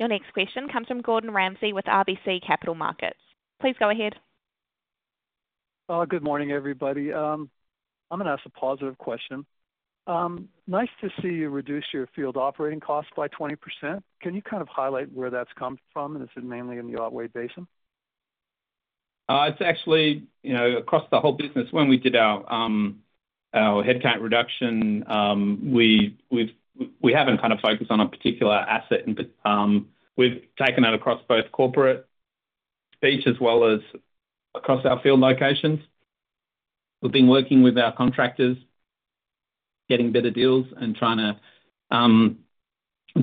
Your next question comes from Gordon Ramsay with RBC Capital Markets. Please go ahead. Good morning, everybody. I'm going to ask a positive question. Nice to see you reduce your field operating costs by 20%. Can you kind of highlight where that's come from, and is it mainly in the Otway Basin? It's actually across the whole business. When we did our headcount reduction, we haven't kind of focused on a particular asset, and we've taken that across both corporate Beach as well as across our field locations. We've been working with our contractors, getting better deals and trying to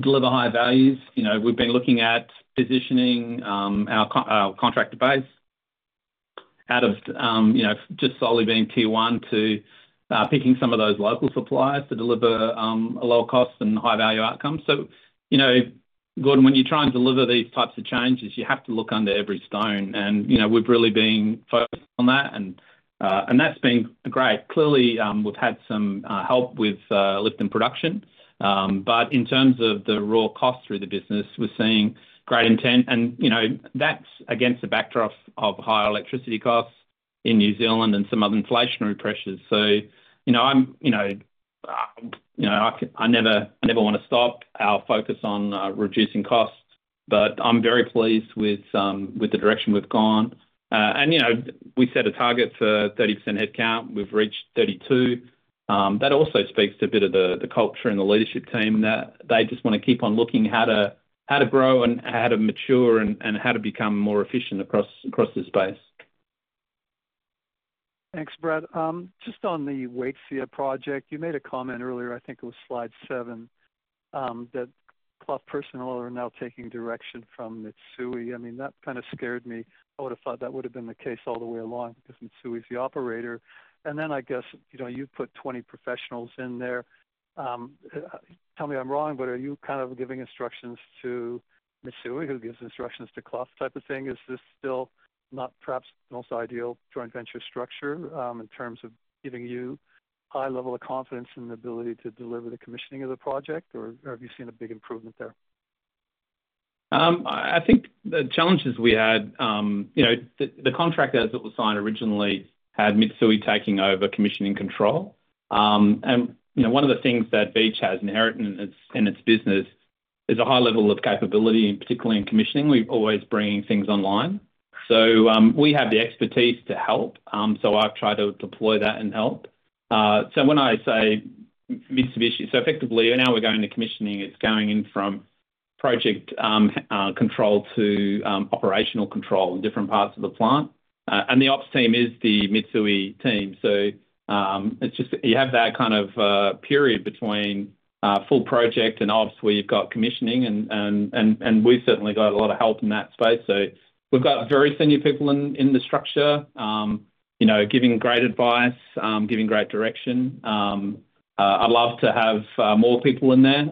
deliver high values. We've been looking at positioning our contractor base out of just solely being tier one to picking some of those local suppliers to deliver lower costs and high-value outcomes. So, Gordon, when you're trying to deliver these types of changes, you have to look under every stone, and we've really been focused on that, and that's been great. Clearly, we've had some help with lifting production, but in terms of the raw costs through the business, we're seeing great intent, and that's against the backdrop of higher electricity costs in New Zealand and some other inflationary pressures. So I never want to stop our focus on reducing costs, but I'm very pleased with the direction we've gone. And we set a target for 30% headcount. We've reached 32%. That also speaks to a bit of the culture and the leadership team that they just want to keep on looking how to grow and how to mature and how to become more efficient across the space. Thanks, Brett. Just on the Waitsia project, you made a comment earlier, I think it was slide seven, that Clough personnel are now taking direction from Mitsui. I mean, that kind of scared me. I would have thought that would have been the case all the way along because Mitsui is the operator. And then I guess you've put 20 professionals in there. Tell me I'm wrong, but are you kind of giving instructions to Mitsui who gives instructions to Clough type of thing? Is this still not perhaps the most ideal joint venture structure in terms of giving you high level of confidence in the ability to deliver the commissioning of the project, or have you seen a big improvement there? I think the challenges we had, the contract that was signed originally had Mitsui taking over commissioning control. And one of the things that Beach has inherent in its business is a high level of capability, and particularly in commissioning, we're always bringing things online. So we have the expertise to help, so I've tried to deploy that and help. So when I say Mitsui, so effectively now we're going to commissioning, it's going in from project control to operational control in different parts of the plant. And the ops team is the Mitsui team. So it's just you have that kind of period between full project and ops where you've got commissioning, and we've certainly got a lot of help in that space. So we've got very senior people in the structure giving great advice, giving great direction. I'd love to have more people in there.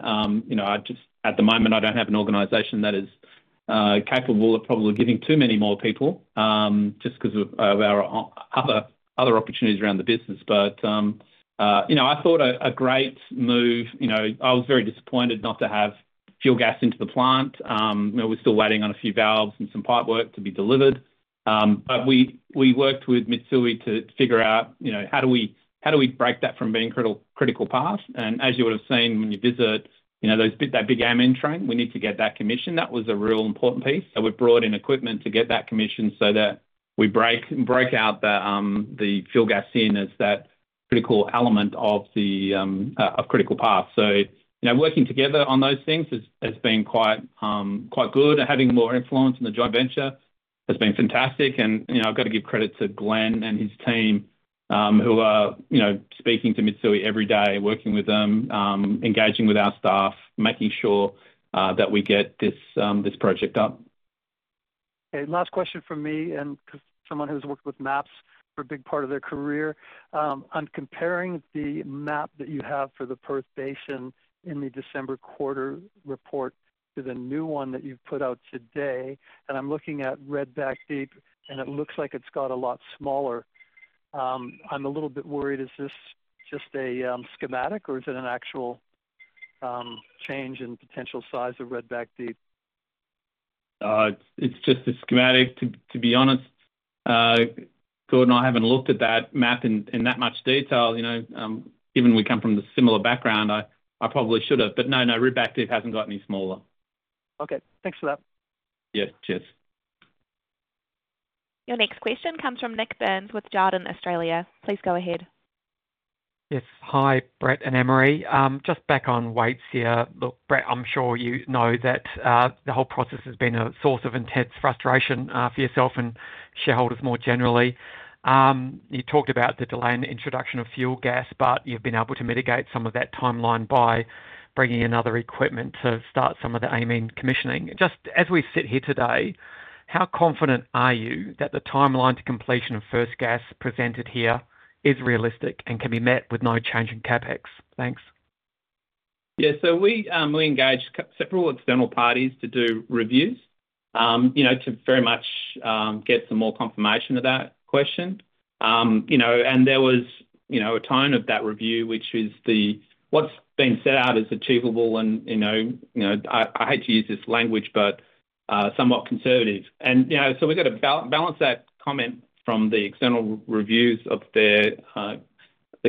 At the moment, I don't have an organization that is capable of probably giving too many more people just because of our other opportunities around the business. But I thought a great move. I was very disappointed not to have fuel gas into the plant. We're still waiting on a few valves and some pipe work to be delivered, but we worked with Mitsui to figure out how do we break that from being critical path. And as you would have seen when you visit that big amine train, we need to get that commissioned. That was a real important piece. We brought in equipment to get that commissioned so that we break out the fuel gas system as that critical element of critical path. So working together on those things has been quite good. Having more influence in the joint venture has been fantastic, and I've got to give credit to Glenn and his team who are speaking to Mitsui every day, working with them, engaging with our staff, making sure that we get this project up. Okay. Last question for me and someone who's worked with maps for a big part of their career. I'm comparing the map that you have for the Perth Basin in the December quarter report to the new one that you've put out today, and I'm looking at Redback Deep, and it looks like it's got a lot smaller. I'm a little bit worried. Is this just a schematic, or is it an actual change in potential size of Redback Deep? It's just a schematic, to be honest. Gordon, I haven't looked at that map in that much detail. Given we come from the similar background, I probably should have, but no, no, Redback Deep hasn't got any smaller. Okay. Thanks for that. Yes. Cheers. Your next question comes from Nik Burns with Jarden Australia. Please go ahead. Yes. Hi, Brett and Anne-Marie. Just back on Waitsia. Look, Brett, I'm sure you know that the whole process has been a source of intense frustration for yourself and shareholders more generally. You talked about the delay in the introduction of fuel gas, but you've been able to mitigate some of that timeline by bringing in other equipment to start some of the amine commissioning. Just as we sit here today, how confident are you that the timeline to completion of first gas presented here is realistic and can be met with no change in CapEx? Thanks. Yeah. So we engaged several external parties to do reviews to very much get some more confirmation of that question. And there was a tone to that review, which is that what's been set out is achievable, and I hate to use this language, but somewhat conservative. And so we've got to balance that comment from the external reviews of the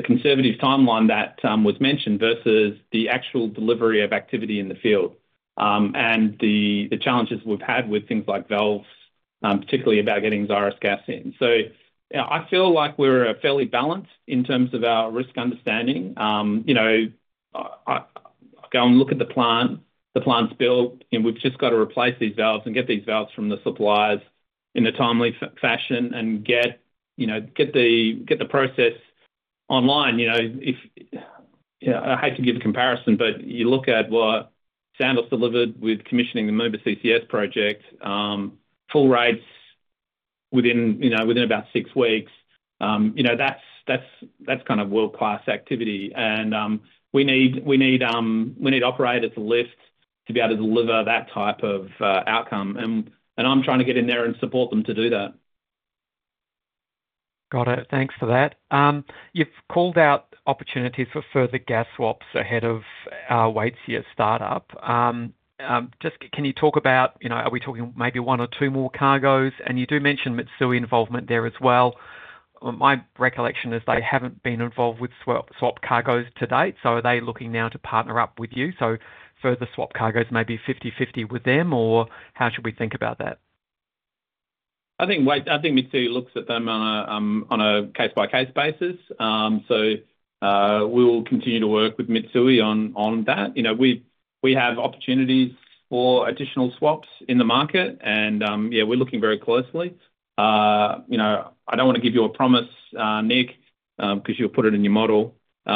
conservative timeline that was mentioned versus the actual delivery of activity in the field and the challenges we've had with things like valves, particularly about getting Xyris gas in. So I feel like we're fairly balanced in terms of our risk understanding. I go and look at the plant. The plant's built. We've just got to replace these valves and get these valves from the suppliers in a timely fashion and get the process online. I hate to give a comparison, but you look at what Santos delivered with commissioning the Moomba CCS project, full rates within about six weeks. That's kind of world-class activity, and we need operators to lift to be able to deliver that type of outcome, and I'm trying to get in there and support them to do that. Got it. Thanks for that. You've called out opportunities for further gas swaps ahead of Waitsia's startup. Just can you talk about are we talking maybe one or two more cargoes? And you do mention Mitsui involvement there as well. My recollection is they haven't been involved with swap cargoes to date, so are they looking now to partner up with you? So further swap cargoes may be 50/50 with them, or how should we think about that? I think Mitsui looks at them on a case-by-case basis, so we will continue to work with Mitsui on that. We have opportunities for additional swaps in the market, and yeah, we're looking very closely. I don't want to give you a promise, Nik, because you'll put it in your model, but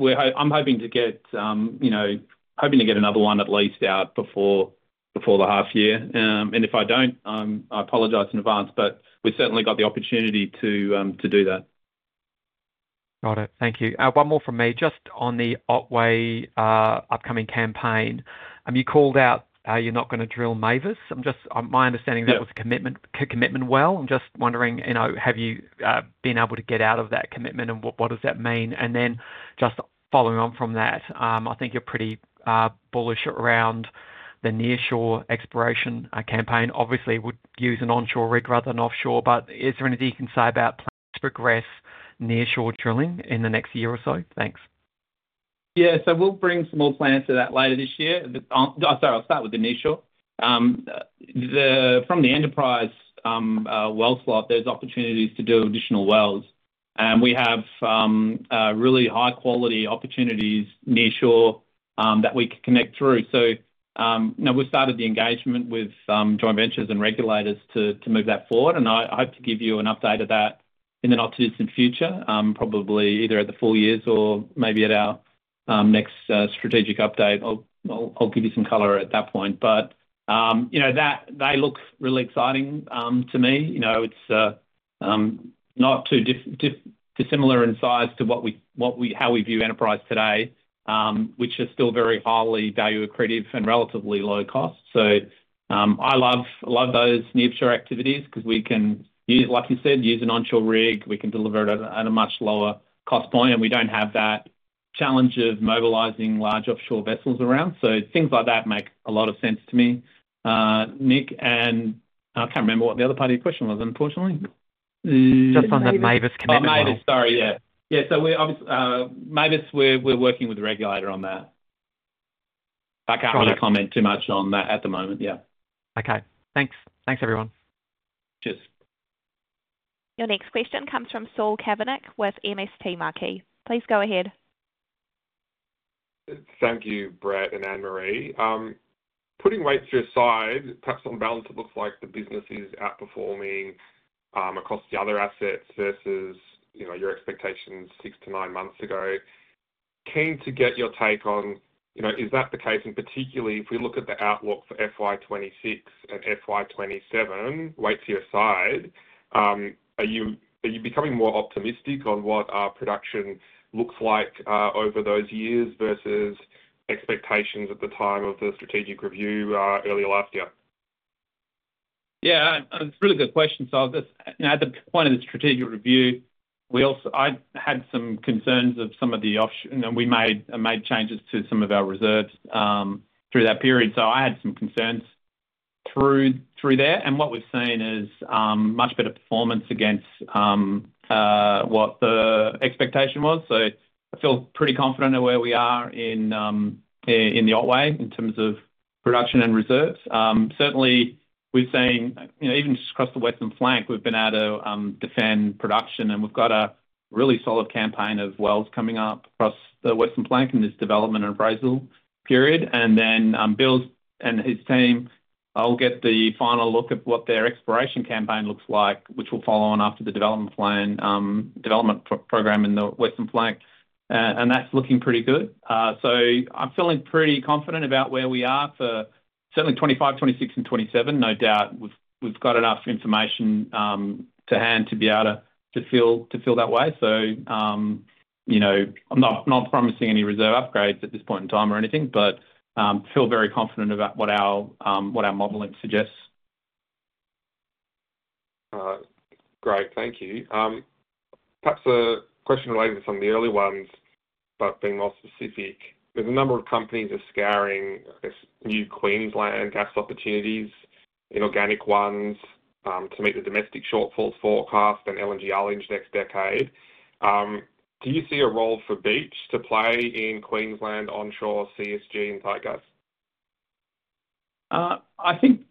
I'm hoping to get another one at least out before the half year. If I don't, I apologize in advance, but we've certainly got the opportunity to do that. Got it. Thank you. One more from me. Just on the Otway's upcoming campaign, you called out you're not going to drill Mavis. My understanding of that was a commitment well. I'm just wondering, have you been able to get out of that commitment, and what does that mean? And then just following on from that, I think you're pretty bullish around the nearshore exploration campaign. Obviously, we'd use an onshore rig rather than offshore, but is there anything you can say about plans to progress nearshore drilling in the next year or so? Thanks. Yeah. So we'll bring some more plans to that later this year. Sorry, I'll start with the nearshore. From the Enterprise well slot, there's opportunities to do additional wells, and we have really high-quality opportunities nearshore that we can connect through. So we've started the engagement with joint ventures and regulators to move that forward, and I hope to give you an update of that in the not-too-distant future, probably either at the full years or maybe at our next strategic update. I'll give you some color at that point. But they look really exciting to me. It's not too dissimilar in size to how we view Enterprise today, which are still very highly value-accretive and relatively low cost. So I love those nearshore activities because we can, like you said, use an onshore rig. We can deliver it at a much lower cost point, and we don't have that challenge of mobilizing large offshore vessels around. So things like that make a lot of sense to me, Nik. And I can't remember what the other part of your question was, unfortunately. Just on the Mavis commitment. Mavis, sorry. Yeah. Yeah. So Mavis, we're working with the regulator on that. I can't really comment too much on that at the moment. Yeah. Okay. Thanks. Thanks, everyone. Cheers. Your next question comes from Saul Kavonic with MST Marquee. Please go ahead. Thank you, Brett and Anne-Marie. Putting Waitsia aside, perhaps on balance, it looks like the business is outperforming across the other assets versus your expectations six to nine months ago. Keen to get your take on is that the case, and particularly if we look at the outlook for FY 2026 and FY 2027, Waitsia aside, are you becoming more optimistic on what our production looks like over those years versus expectations at the time of the strategic review earlier last year? Yeah. It's a really good question. So at the point of the strategic review, I had some concerns of some of the we made changes to some of our reserves through that period, so I had some concerns through there. And what we've seen is much better performance against what the expectation was. So I feel pretty confident at where we are in the Otways in terms of production and reserves. Certainly, we've seen even just across the Western Flank, we've been able to defend production, and we've got a really solid campaign of wells coming up across the Western Flank in this development and appraisal period. And then Bill and his team, I'll get the final look at what their exploration campaign looks like, which will follow on after the development program in the Western Flank. And that's looking pretty good. So I'm feeling pretty confident about where we are for certainly 2025, 2026, and 2027. No doubt we've got enough information to hand to be able to feel that way. So I'm not promising any reserve upgrades at this point in time or anything, but feel very confident about what our modeling suggests. Great. Thank you. Perhaps a question relating to some of the early ones, but being more specific, there's a number of companies that are scouring new Queensland gas opportunities in organic ones to meet the domestic shortfalls forecast and LNG islands next decade. Do you see a role for Beach to play in Queensland onshore CSG and tight gas? I think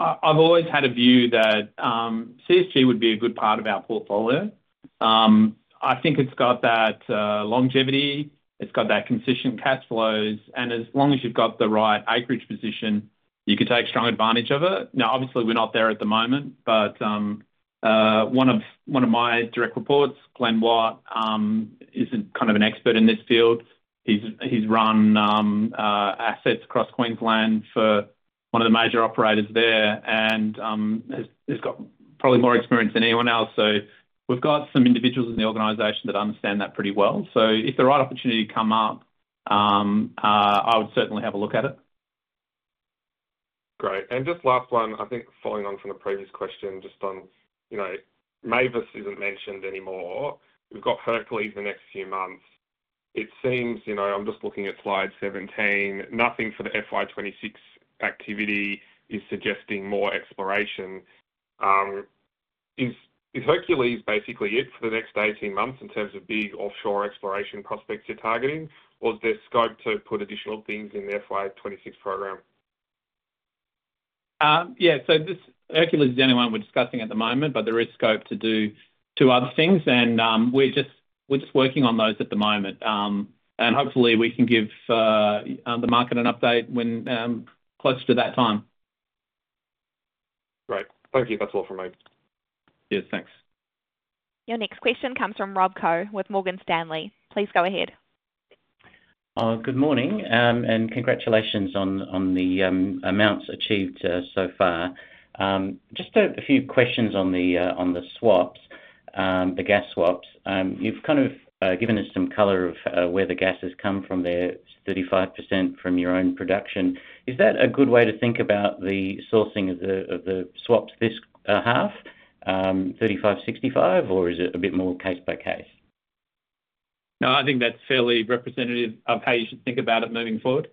I've always had a view that CSG would be a good part of our portfolio. I think it's got that longevity. It's got that consistent cash flows. And as long as you've got the right acreage position, you can take strong advantage of it. Now, obviously, we're not there at the moment, but one of my direct reports, Glenn Watt, is kind of an expert in this field. He's run assets across Queensland for one of the major operators there and has got probably more experience than anyone else. So we've got some individuals in the organization that understand that pretty well. So if the right opportunity comes up, I would certainly have a look at it. Great. And just last one, I think following on from the previous question, just on Mavis isn't mentioned anymore. We've got Hercules in the next few months. It seems I'm just looking at slide 17. Nothing for the FY 2026 activity is suggesting more exploration. Is Hercules basically it for the next 18 months in terms of big offshore exploration prospects you're targeting, or is there scope to put additional things in the FY 2026 program? Yeah. So Hercules is the only one we're discussing at the moment, but there is scope to do two other things, and we're just working on those at the moment. And hopefully, we can give the market an update when closer to that time. Great. Thank you. That's all from me. Yes. Thanks. Your next question comes from Rob Koh with Morgan Stanley. Please go ahead. Good morning, and congratulations on the amounts achieved so far. Just a few questions on the swaps, the gas swaps. You've kind of given us some color of where the gas has come from there. It's 35% from your own production. Is that a good way to think about the sourcing of the swaps this half, 35/65, or is it a bit more case by case? No, I think that's fairly representative of how you should think about it moving forward.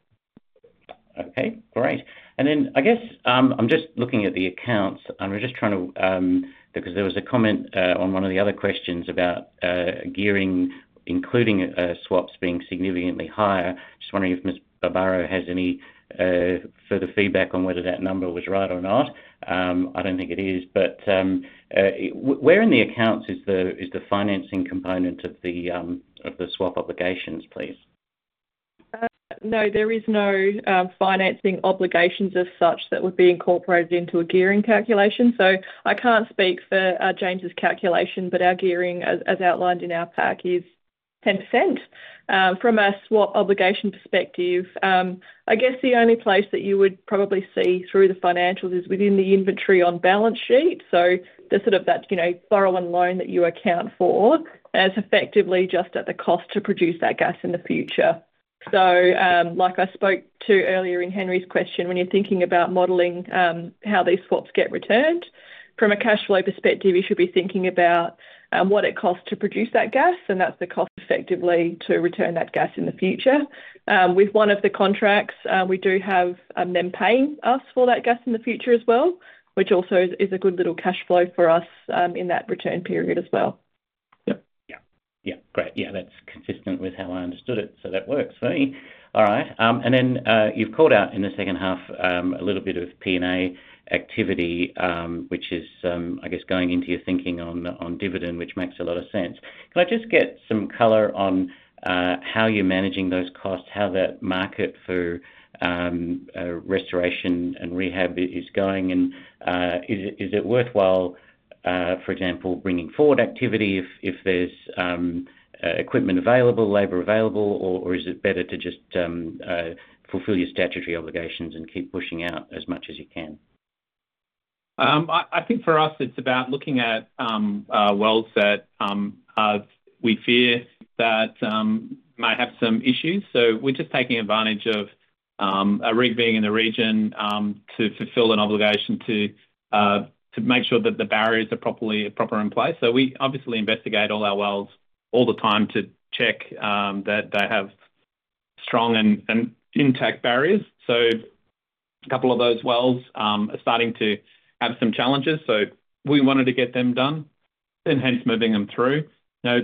Okay. Great. And then I guess I'm just looking at the accounts, and we're just trying to because there was a comment on one of the other questions about including swaps being significantly higher. Just wondering if Ms. Barbaro has any further feedback on whether that number was right or not. I don't think it is. But where in the accounts is the financing component of the swap obligations, please? No, there is no financing obligations as such that would be incorporated into a gearing calculation. So I can't speak for James' calculation, but our gearing, as outlined in our PAC, is 10%. From a swap obligation perspective, I guess the only place that you would probably see through the financials is within the inventory on balance sheet. So there's sort of that borrow and loan that you account for as effectively just at the cost to produce that gas in the future. So like I spoke to earlier in Henry's question, when you're thinking about modeling how these swaps get returned, from a cash flow perspective, you should be thinking about what it costs to produce that gas, and that's the cost effectively to return that gas in the future. With one of the contracts, we do have them paying us for that gas in the future as well, which also is a good little cash flow for us in that return period as well. Yeah. Yeah. Yeah. Great. Yeah. That's consistent with how I understood it, so that works for me. All right. And then you've called out in the second half a little bit of P&A activity, which is, I guess, going into your thinking on dividend, which makes a lot of sense. Can I just get some color on how you're managing those costs, how that market for restoration and rehab is going? And is it worthwhile, for example, bringing forward activity if there's equipment available, labor available, or is it better to just fulfill your statutory obligations and keep pushing out as much as you can? I think for us, it's about looking at wells that we fear that might have some issues. So we're just taking advantage of a rig being in the region to fulfill an obligation to make sure that the barriers are properly in place. So we obviously investigate all our wells all the time to check that they have strong and intact barriers. So a couple of those wells are starting to have some challenges, so we wanted to get them done and hence moving them through. Now,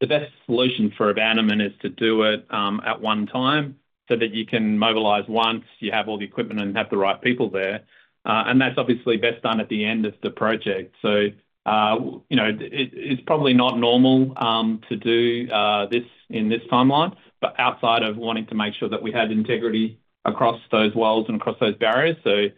the best solution for abandonment is to do it at one time so that you can mobilize once you have all the equipment and have the right people there, and that's obviously best done at the end of the project, so it's probably not normal to do this in this timeline, but outside of wanting to make sure that we had integrity across those wells and across those barriers, so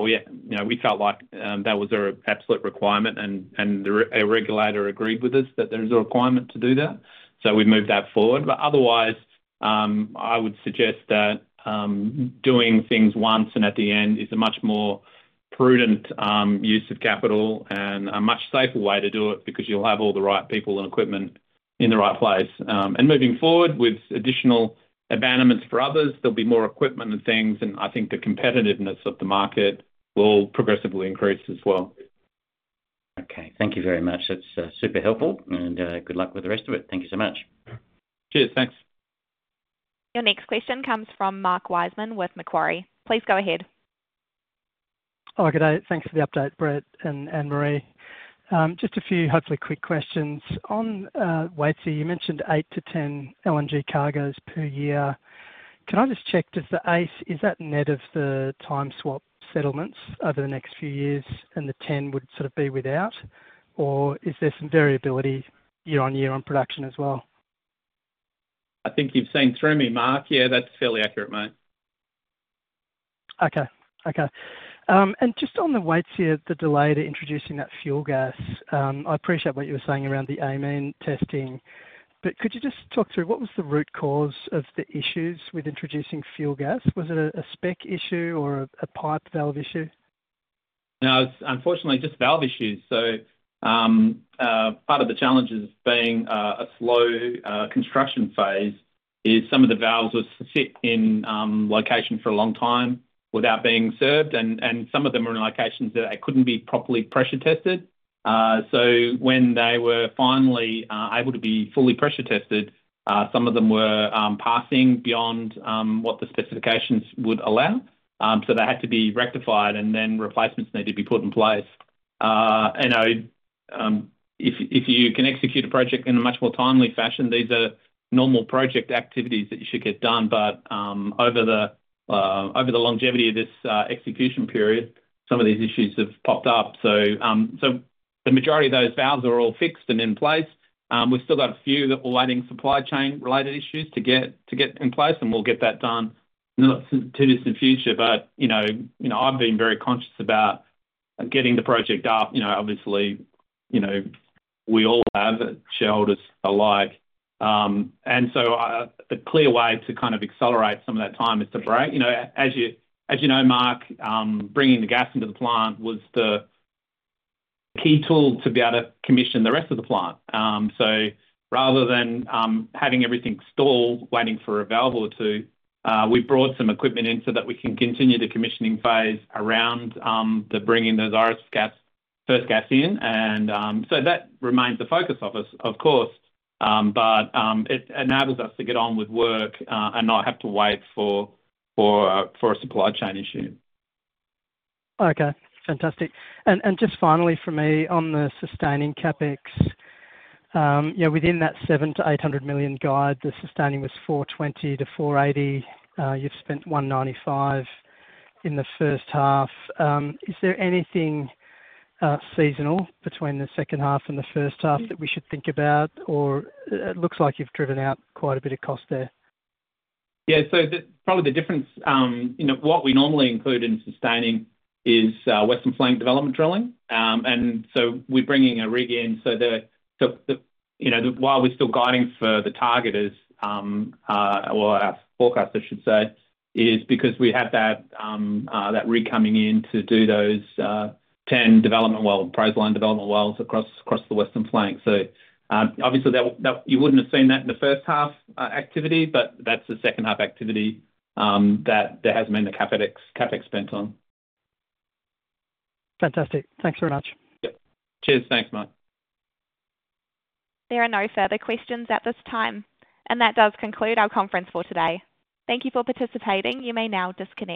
we felt like that was an absolute requirement, and the regulator agreed with us that there's a requirement to do that, so we've moved that forward, but otherwise, I would suggest that doing things once and at the end is a much more prudent use of capital and a much safer way to do it because you'll have all the right people and equipment in the right place. Moving forward with additional abandonments for others, there'll be more equipment and things, and I think the competitiveness of the market will progressively increase as well. Okay. Thank you very much. That's super helpful, and good luck with the rest of it. Thank you so much. Cheers. Thanks. Your next question comes from Mark Wiseman with Macquarie. Please go ahead. Hi, good day. Thanks for the update, Brett and Anne-Marie. Just a few hopefully quick questions. On Waitsia, you mentioned eight to 10 LNG cargoes per year. Can I just check, does the ACE, is that net of the time swap settlements over the next few years, and the 10 would sort of be without, or is there some variability year on year on production as well? I think you've seen through me, Mark. Yeah, that's fairly accurate, mate. Okay. Okay. Just on the Waitsia, the delay to introducing that fuel gas, I appreciate what you were saying around the amine testing, but could you just talk through what was the root cause of the issues with introducing fuel gas? Was it a spec issue or a pipe valve issue? No, it was unfortunately just valve issues. So part of the challenges being a slow construction phase is some of the valves were sitting in location for a long time without being serviced, and some of them were in locations that they couldn't be properly pressure tested. So when they were finally able to be fully pressure tested, some of them were passing beyond what the specifications would allow. So they had to be rectified, and then replacements needed to be put in place. And if you can execute a project in a much more timely fashion, these are normal project activities that you should get done. But over the longevity of this execution period, some of these issues have popped up. So the majority of those valves are all fixed and in place. We've still got a few that we're waiting supply chain related issues to get in place, and we'll get that done in the not-too-distant future. But I've been very conscious about getting the project up. Obviously, we all have shareholders alike. And so a clear way to kind of accelerate some of that time is to break. As you know, Mark, bringing the gas into the plant was the key tool to be able to commission the rest of the plant. So rather than having everything stall, waiting for available to, we brought some equipment in so that we can continue the commissioning phase around the bringing those first gas in. And so that remains the focus of us, of course, but it enables us to get on with work and not have to wait for a supply chain issue. Okay. Fantastic. And just finally for me on the sustaining CapEx, within that 700 million-800 million guide, the sustaining was 420 million-480 million. You've spent 195 million in the first half. Is there anything seasonal between the second half and the first half that we should think about, or it looks like you've driven out quite a bit of cost there? Yeah. So probably the difference, what we normally include in sustaining is Western Flank development drilling. And so we're bringing a rig in. So while we're still guiding for the targets, or our forecasts, I should say, is because we have that rig coming in to do those 10 development wells, proposed line development wells across the Western Flank. So obviously, you wouldn't have seen that in the first half activity, but that's the second half activity that hasn't been the CapEx spent on. Fantastic. Thanks very much. Yep. Cheers. Thanks, mate. There are no further questions at this time, and that does conclude our conference for today. Thank you for participating. You may now disconnect.